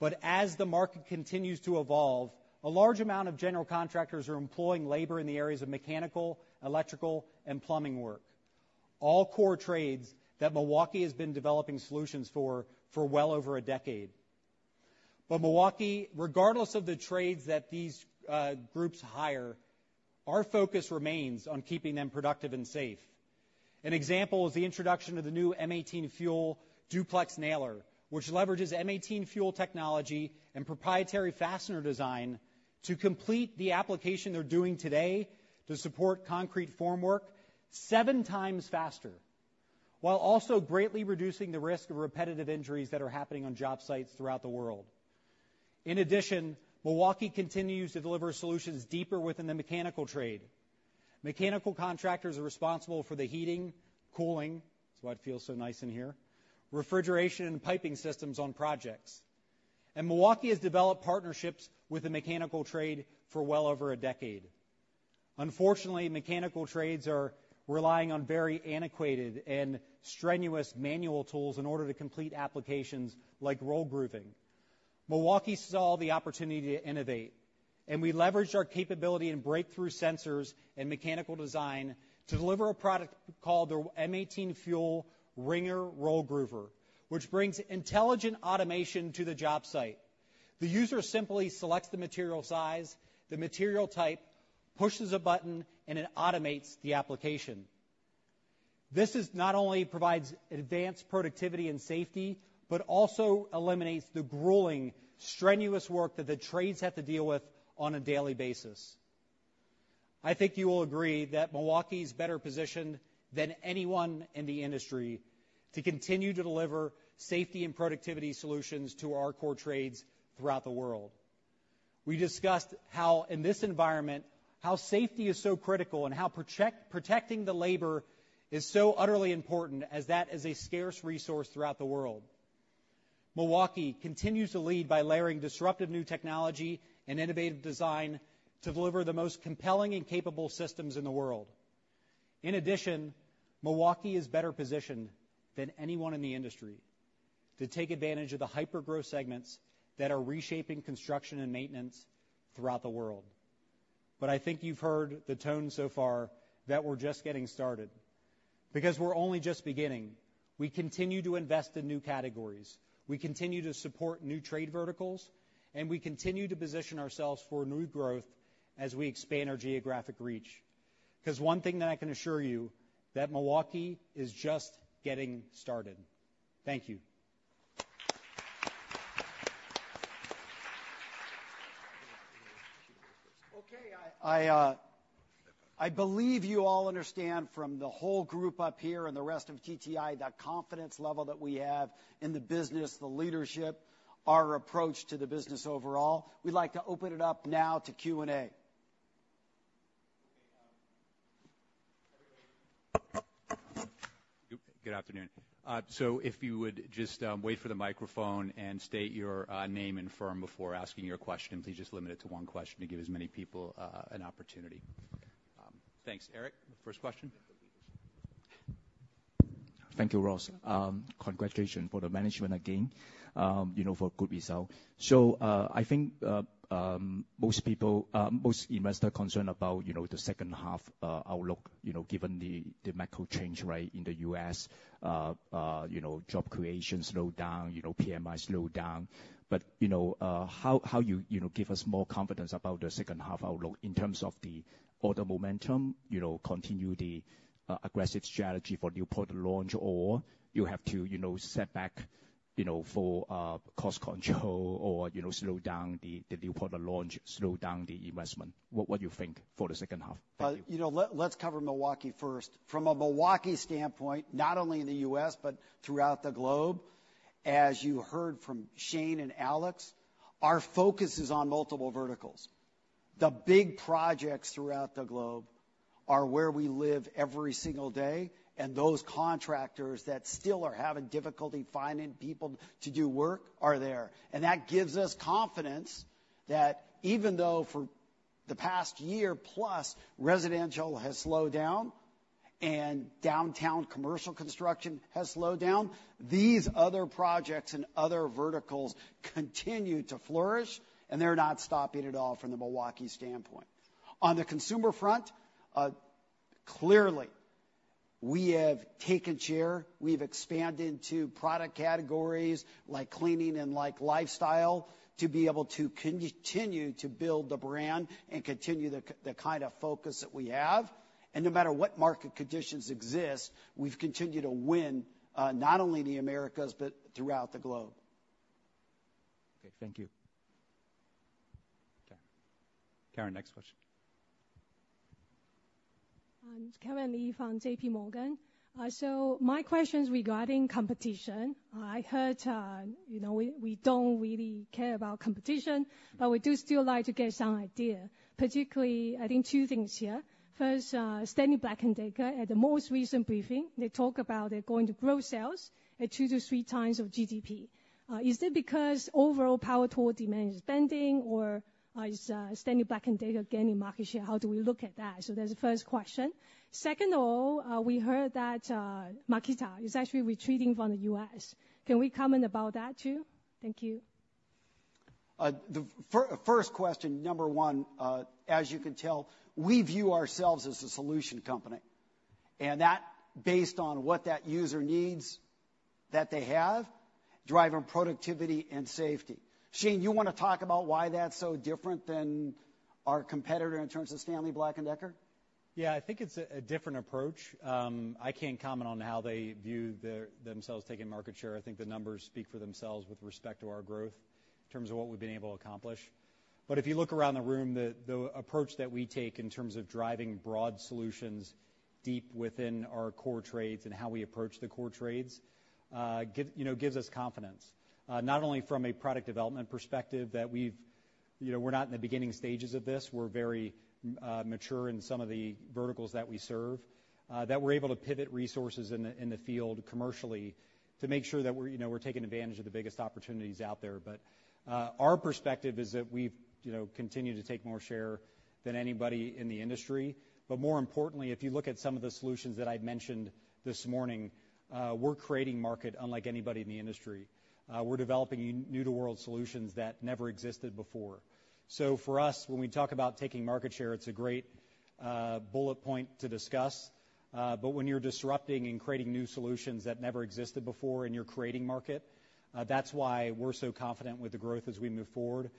But as the market continues to evolve, a large amount of general contractors are employing labor in the areas of mechanical, electrical, and plumbing work, all core trades that Milwaukee has been developing solutions for, for well over a decade. Milwaukee, regardless of the trades that these groups hire, our focus remains on keeping them productive and safe. An example is the introduction of the new M18 FUEL Duplex Nailer, which leverages M18 FUEL technology and proprietary fastener design to complete the application they're doing today to support concrete formwork seven times faster, while also greatly reducing the risk of repetitive injuries that are happening on job sites throughout the world. In addition, Milwaukee continues to deliver solutions deeper within the mechanical trade. Mechanical contractors are responsible for the heating, cooling, that's why it feels so nice in here, refrigeration, and piping systems on projects. Milwaukee has developed partnerships with the mechanical trade for well over a decade. Unfortunately, mechanical trades are relying on very antiquated and strenuous manual tools in order to complete applications like roll grooving. Milwaukee saw the opportunity to innovate, and we leveraged our capability in breakthrough sensors and mechanical design to deliver a product called the M18 FUEL Ringer Roll Groover, which brings intelligent automation to the job site. The user simply selects the material size, the material type, pushes a button, and it automates the application. This not only provides advanced productivity and safety, but also eliminates the grueling, strenuous work that the trades have to deal with on a daily basis. I think you will agree that Milwaukee is better positioned than anyone in the industry to continue to deliver safety and productivity solutions to our core trades throughout the world. We discussed how, in this environment, safety is so critical, and how protecting the labor is so utterly important as that is a scarce resource throughout the world. Milwaukee continues to lead by layering disruptive new technology and innovative design to deliver the most compelling and capable systems in the world. In addition, Milwaukee is better positioned than anyone in the industry to take advantage of the hyper-growth segments that are reshaping construction and maintenance throughout the world. But I think you've heard the tone so far, that we're just getting started. Because we're only just beginning, we continue to invest in new categories, we continue to support new trade verticals, and we continue to position ourselves for new growth as we expand our geographic reach. 'Cause one thing that I can assure you, that Milwaukee is just getting started. Thank you. Okay, I believe you all understand from the whole group up here and the rest of TTI, the confidence level that we have in the business, the leadership, our approach to the business overall. We'd like to open it up now to Q&A. Good afternoon. So if you would just wait for the microphone and state your name and firm before asking your question. Please just limit it to one question to give as many people an opportunity. Thanks. Eric, first question? Thank you, Ross. Congratulations for the management again, you know, for good result. So, I think, most people, most investors are concerned about, you know, the second half, outlook, you know, given the macro change, right, in the US. You know, job creation slowed down, you know, PMI slowed down. But, you know, how you, you know, give us more confidence about the second half outlook in terms of the order momentum, you know, continue the aggressive strategy for new product launch, or you have to, you know, set back, you know, for cost control or, you know, slow down the new product launch, slow down the investment. What do you think for the second half? Thank you. You know, let's cover Milwaukee first. From a Milwaukee standpoint, not only in the U.S., but throughout the globe, as you heard from Shane and Alex, our focus is on multiple verticals. The big projects throughout the globe are where we live every single day, and those contractors that still are having difficulty finding people to do work are there. And that gives us confidence that even though for the past year plus, residential has slowed down and downtown commercial construction has slowed down, these other projects and other verticals continue to flourish, and they're not stopping at all from the Milwaukee standpoint. On the consumer front, clearly, we have taken share, we've expanded to product categories like cleaning and like lifestyle, to be able to continue to build the brand and continue the kind of focus that we have. No matter what market conditions exist, we've continued to win, not only in the Americas, but throughout the globe. Okay. Thank you.... Karen, next question. It's Karen Li from J.P. Morgan. So my question is regarding competition. I heard, you know, we don't really care about competition, but we do still like to get some idea, particularly, I think, two things here. First, Stanley Black & Decker, at the most recent briefing, they talk about they're going to grow sales at 2-3 times of GDP. Is that because overall power tool demand is bending, or is Stanley Black & Decker gaining market share? How do we look at that? So that's the first question. Second of all, we heard that Makita is actually retreating from the US. Can we comment about that, too? Thank you. The first question, number one, as you can tell, we view ourselves as a solution company, and that based on what that user needs that they have, driving productivity and safety. Shane, you wanna talk about why that's so different than our competitor in terms of Stanley Black & Decker? Yeah, I think it's a different approach. I can't comment on how they view themselves taking market share. I think the numbers speak for themselves with respect to our growth, in terms of what we've been able to accomplish. But if you look around the room, the approach that we take in terms of driving broad solutions deep within our core trades and how we approach the core trades, you know, gives us confidence. Not only from a product development perspective, that we've, you know, we're not in the beginning stages of this. We're very mature in some of the verticals that we serve, that we're able to pivot resources in the field commercially to make sure that we're, you know, we're taking advantage of the biggest opportunities out there. But, our perspective is that we've, you know, continued to take more share than anybody in the industry. But more importantly, if you look at some of the solutions that I'd mentioned this morning, we're creating market unlike anybody in the industry. We're developing new to world solutions that never existed before. So for us, when we talk about taking market share, it's a great bullet point to discuss. But when you're disrupting and creating new solutions that never existed before, and you're creating market, that's why we're so confident with the growth as we move forward.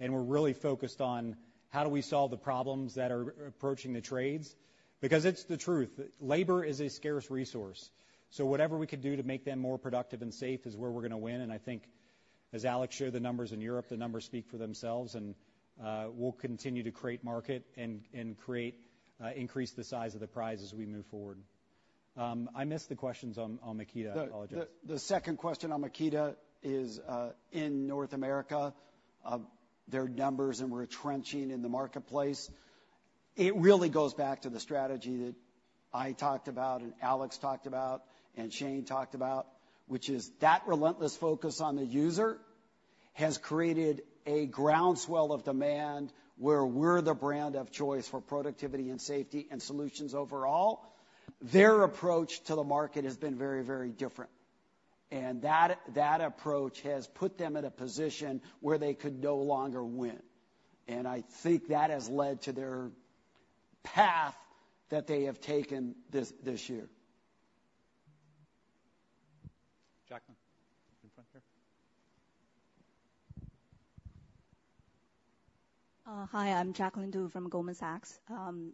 And we're really focused on how do we solve the problems that are approaching the trades? Because it's the truth. Labor is a scarce resource, so whatever we can do to make them more productive and safe is where we're gonna win. I think, as Alex shared the numbers in Europe, the numbers speak for themselves, and we'll continue to create market and increase the size of the prize as we move forward. I missed the questions on Makita. I apologize. The second question on Makita is in North America their numbers and retrenching in the marketplace. It really goes back to the strategy that I talked about and Alex talked about and Shane talked about, which is that relentless focus on the user has created a groundswell of demand, where we're the brand of choice for productivity and safety and solutions overall. Their approach to the market has been very, very different, and that approach has put them at a position where they could no longer win. And I think that has led to their path that they have taken this year. Jacqueline, in front here. Hi, I'm Jacqueline Du from Goldman Sachs.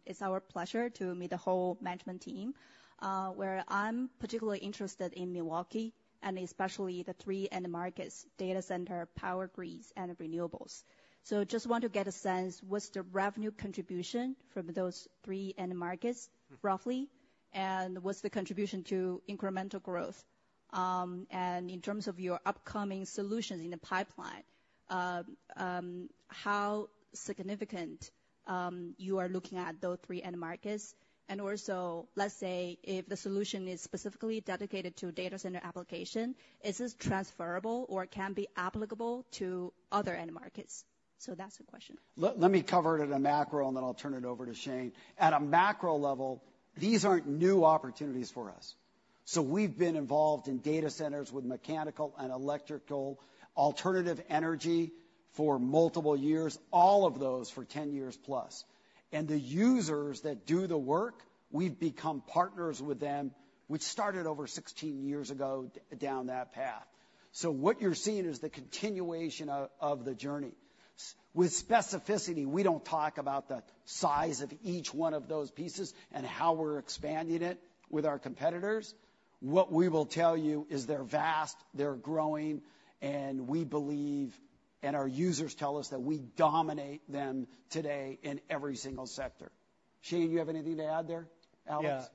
It's our pleasure to meet the whole management team. Where I'm particularly interested in Milwaukee, and especially the three end markets: data center, power grids, and renewables. So just want to get a sense, what's the revenue contribution from those end markets, roughly? Mm-hmm. What's the contribution to incremental growth? In terms of your upcoming solutions in the pipeline, how significant you are looking at those three end markets? Also, let's say, if the solution is specifically dedicated to data center application, is this transferable, or it can be applicable to other end markets? That's the question. Let me cover it at a macro, and then I'll turn it over to Shane. At a macro level, these aren't new opportunities for us. So we've been involved in data centers with mechanical and electrical alternative energy for multiple years, all of those for 10 years plus. And the users that do the work, we've become partners with them, which started over 16 years ago, down that path. So what you're seeing is the continuation of the journey. With specificity, we don't talk about the size of each one of those pieces and how we're expanding it with our competitors. What we will tell you is they're vast, they're growing, and we believe, and our users tell us, that we dominate them today in every single sector. Shane, you have anything to add there? Alex?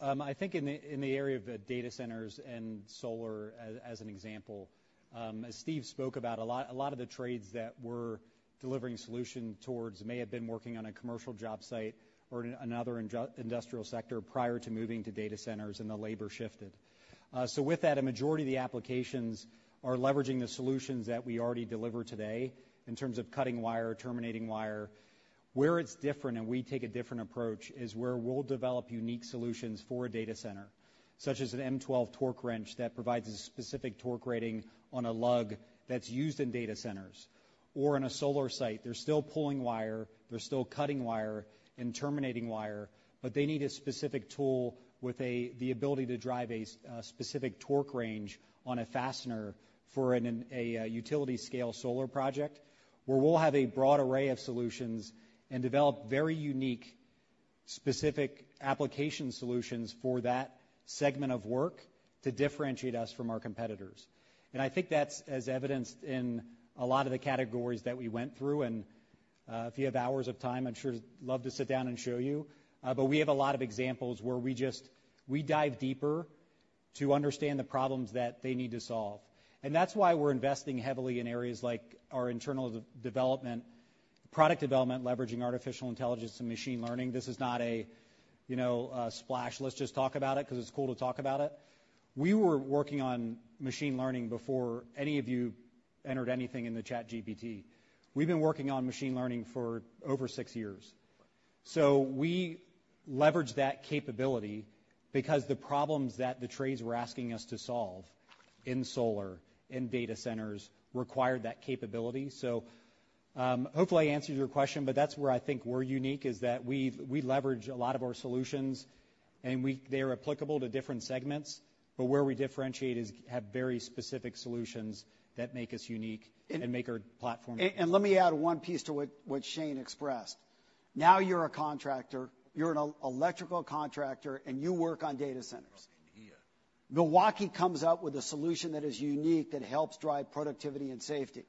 Yeah. I think in the area of the data centers and solar as an example, as Steve spoke about, a lot, a lot of the trades that we're delivering solution towards may have been working on a commercial job site or in another industrial sector prior to moving to data centers, and the labor shifted. So with that, a majority of the applications are leveraging the solutions that we already deliver today in terms of cutting wire, terminating wire. Where it's different, and we take a different approach, is where we'll develop unique solutions for a data center, such as an M12 torque wrench that provides a specific torque rating on a lug that's used in data centers or in a solar site. They're still pulling wire, they're still cutting wire and terminating wire, but they need a specific tool with the ability to drive a specific torque range on a fastener for a utility scale solar project, where we'll have a broad array of solutions and develop very unique-... specific application solutions for that segment of work to differentiate us from our competitors. And I think that's as evidenced in a lot of the categories that we went through, and if you have hours of time, I'd sure love to sit down and show you. But we have a lot of examples where we just dive deeper to understand the problems that they need to solve. And that's why we're investing heavily in areas like our internal development, product development, leveraging artificial intelligence and machine learning. This is not a, you know, a splash. Let's just talk about it 'cause it's cool to talk about it. We were working on machine learning before any of you entered anything in the ChatGPT. We've been working on machine learning for over six years. So we leveraged that capability because the problems that the trades were asking us to solve in solar, in data centers, required that capability. So, hopefully, I answered your question, but that's where I think we're unique, is that we leverage a lot of our solutions, and they are applicable to different segments, but where we differentiate is, have very specific solutions that make us unique and make our platform- Let me add one piece to what Shane expressed. Now, you're a contractor. You're an electrical contractor, and you work on data centers. Milwaukee comes out with a solution that is unique, that helps drive productivity and safety.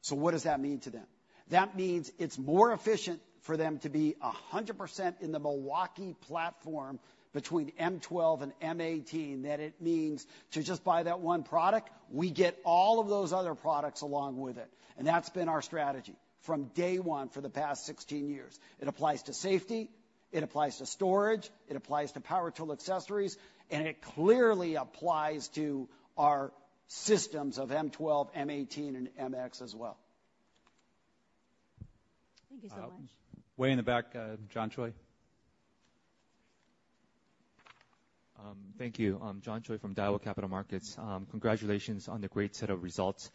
So what does that mean to them? That means it's more efficient for them to be 100% in the Milwaukee platform between M12 and M18, that it means to just buy that one product, we get all of those other products along with it. That's been our strategy from day one for the past 16 years. It applies to safety, it applies to storage, it applies to power tool accessories, and it clearly applies to our systems of M12, M18, and MX as well. Thank you so much. Way in the back, John Choi. Thank you. John Choi from Daiwa Capital Markets. Congratulations on the great set of results.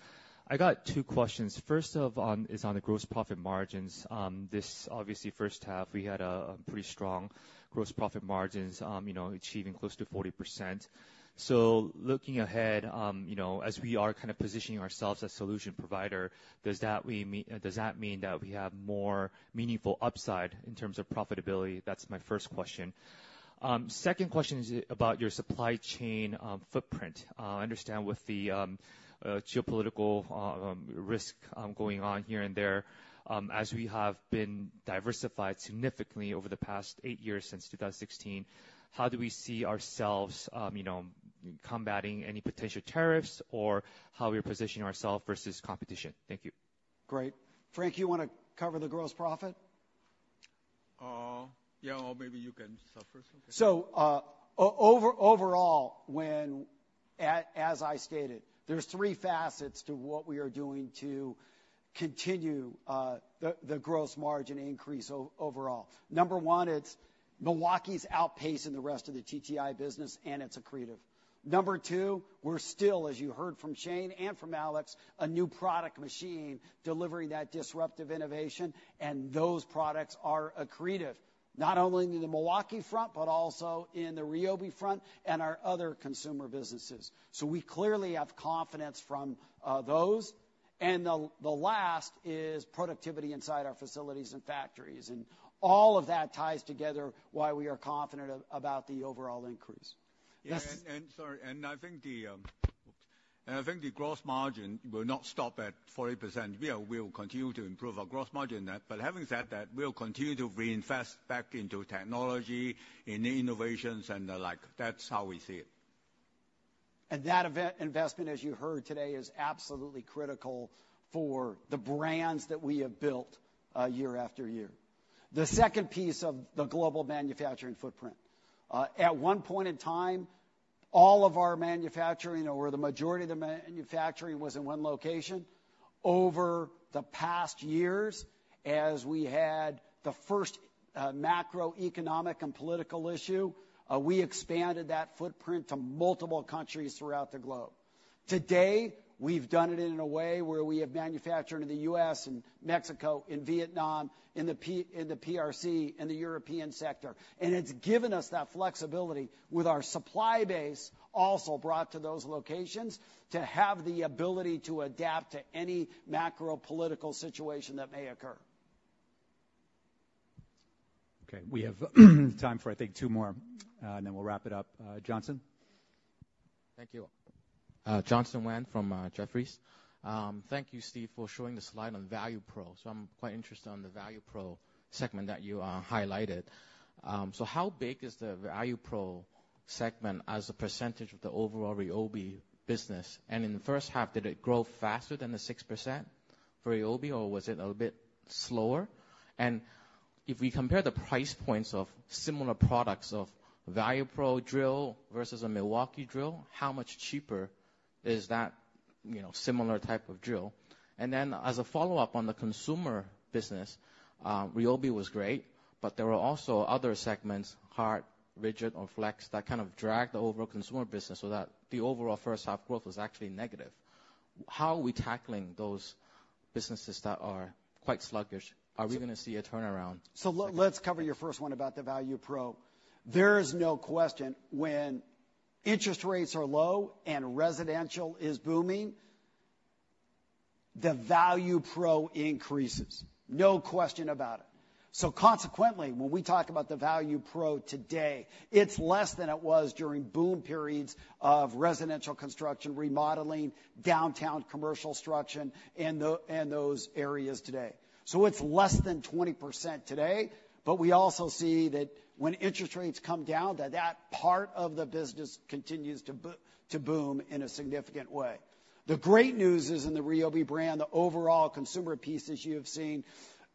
I got two questions. First one is on the gross profit margins. This, obviously, first half, we had a pretty strong gross profit margins, you know, achieving close to 40%. So looking ahead, you know, as we are kind of positioning ourselves as solution provider, does that mean that we have more meaningful upside in terms of profitability? That's my first question. Second question is about your supply chain footprint. I understand with the geopolitical risk going on here and there, as we have been diversified significantly over the past eight years, since 2016, how do we see ourselves, you know, combating any potential tariffs or how we position ourselves versus competition? Thank you. Great. Frank, you wanna cover the gross profit? Yeah, or maybe you can start first, okay. So, overall, as I stated, there's three facets to what we are doing to continue the gross margin increase overall. Number one, it's Milwaukee's outpacing the rest of the TTI business, and it's accretive. Number two, we're still, as you heard from Shane and from Alex, a new product machine, delivering that disruptive innovation, and those products are accretive, not only in the Milwaukee front, but also in the Ryobi front and our other consumer businesses. So we clearly have confidence from those. And the last is productivity inside our facilities and factories, and all of that ties together why we are confident about the overall increase. Yes, and sorry, I think the gross margin will not stop at 40%. We will continue to improve our gross margin net. But having said that, we'll continue to reinvest back into technology, in innovations and the like. That's how we see it. That investment, as you heard today, is absolutely critical for the brands that we have built, year after year. The second piece of the global manufacturing footprint. At one point in time, all of our manufacturing or the majority of the manufacturing was in one location. Over the past years, as we had the first, macroeconomic and political issue, we expanded that footprint to multiple countries throughout the globe. Today, we've done it in a way where we have manufacturing in the U.S. and Mexico, in Vietnam, in the PRC, and the European sector. And it's given us that flexibility with our supply base, also brought to those locations, to have the ability to adapt to any macro political situation that may occur. Okay, we have time for, I think, two more, and then we'll wrap it up. Johnson? Thank you. Johnson Wan from Jefferies. Thank you, Steve, for showing the slide on Value Pro. So I'm quite interested on the Value Pro segment that you highlighted. So how big is the Value Pro segment as a percentage of the overall Ryobi business? And in the first half, did it grow faster than the 6% for Ryobi, or was it a little bit slower? And if we compare the price points of similar products of Value Pro drill versus a Milwaukee drill, how much cheaper is that, you know, similar type of drill? And then, as a follow-up on the consumer business, Ryobi was great, but there were also other segments, HART, RIDGID, or FLEX, that kind of dragged the overall consumer business so that the overall first half growth was actually negative. How are we tackling those businesses that are quite sluggish? Are we gonna see a turnaround? So let's cover your first one about the Value Pro. There is no question when interest rates are low and residential is booming, the value pro increases, no question about it. So consequently, when we talk about the value pro today, it's less than it was during boom periods of residential construction, remodeling, downtown commercial structure, and those areas today. So it's less than 20% today, but we also see that when interest rates come down, that that part of the business continues to boom in a significant way. The great news is in the RYOBI brand, the overall consumer pieces you have seen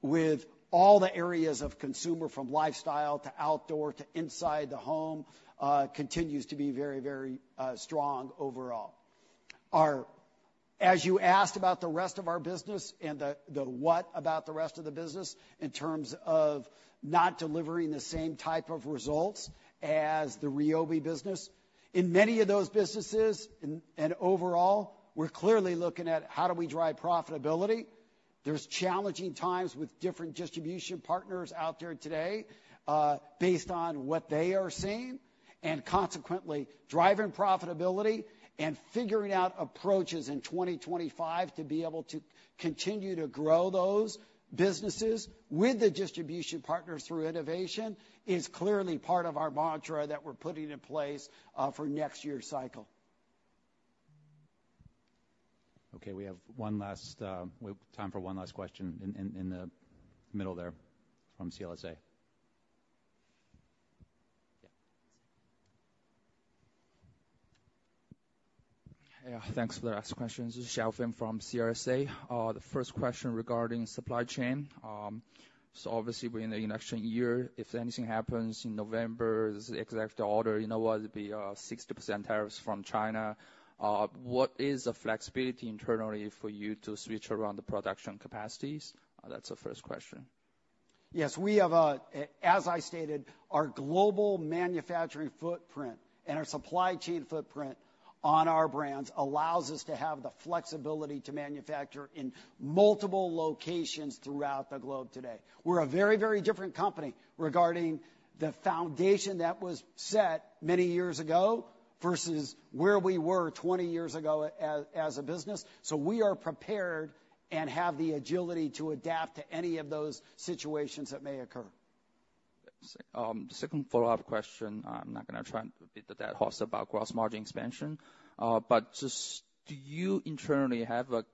with all the areas of consumer, from lifestyle to outdoor to inside the home, continues to be very, very strong overall. As you asked about the rest of our business and the what about the rest of the business in terms of not delivering the same type of results as the RYOBI business, in many of those businesses and overall, we're clearly looking at how do we drive profitability. There's challenging times with different distribution partners out there today, based on what they are seeing, and consequently, driving profitability and figuring out approaches in 2025 to be able to continue to grow those businesses with the distribution partners through innovation is clearly part of our mantra that we're putting in place, for next year's cycle. Okay, we have one last. We have time for one last question in the middle there from CLSA. Yeah. Yeah, thanks for letting us questions. This is Xiao Feng from CLSA. The first question regarding supply chain. So obviously, we're in the election year. If anything happens in November, the executive order, you know, will be 60% tariffs from China. What is the flexibility internally for you to switch around the production capacities? That's the first question. Yes, as I stated, our global manufacturing footprint and our supply chain footprint on our brands allows us to have the flexibility to manufacture in multiple locations throughout the globe today. We're a very, very different company regarding the foundation that was set many years ago versus where we were 20 years ago as a business. So we are prepared and have the agility to adapt to any of those situations that may occur. The second follow-up question, I'm not gonna try and beat the dead horse about gross margin expansion, but just do you internally have a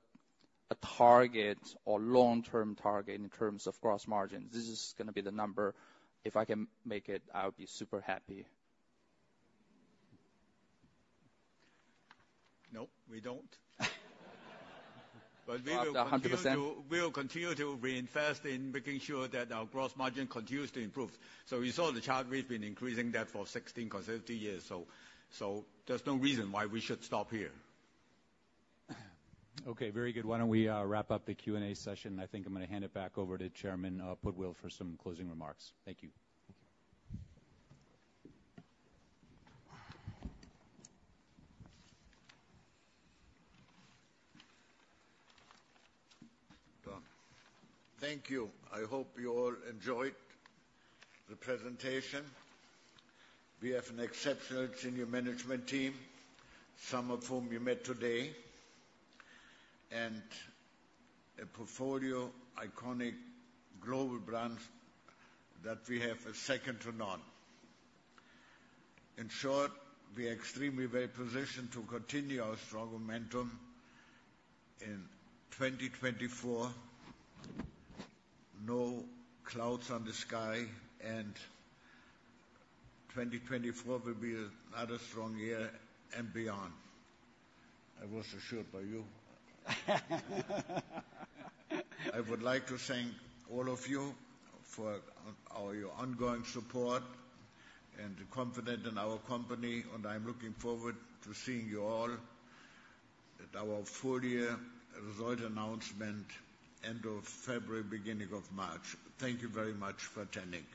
target or long-term target in terms of gross margins? This is gonna be the number. If I can make it, I'll be super happy. Nope, we don't. But 100%. We'll continue to reinvest in making sure that our gross margin continues to improve. So you saw the chart, we've been increasing that for 16 consecutive years, so there's no reason why we should stop here. Okay, very good. Why don't we wrap up the Q&A session? I think I'm gonna hand it back over to Chairman Pudwill for some closing remarks. Thank you. Thank you. I hope you all enjoyed the presentation. We have an exceptional senior management team, some of whom you met today, and a portfolio of iconic global brands that we have are second to none. In short, we are extremely well-positioned to continue our strong momentum in 2024. No clouds on the sky, and 2024 will be another strong year and beyond. I was assured by you. I would like to thank all of you for your ongoing support and the confidence in our company, and I'm looking forward to seeing you all at our full year result announcement, end of February, beginning of March. Thank you very much for attending.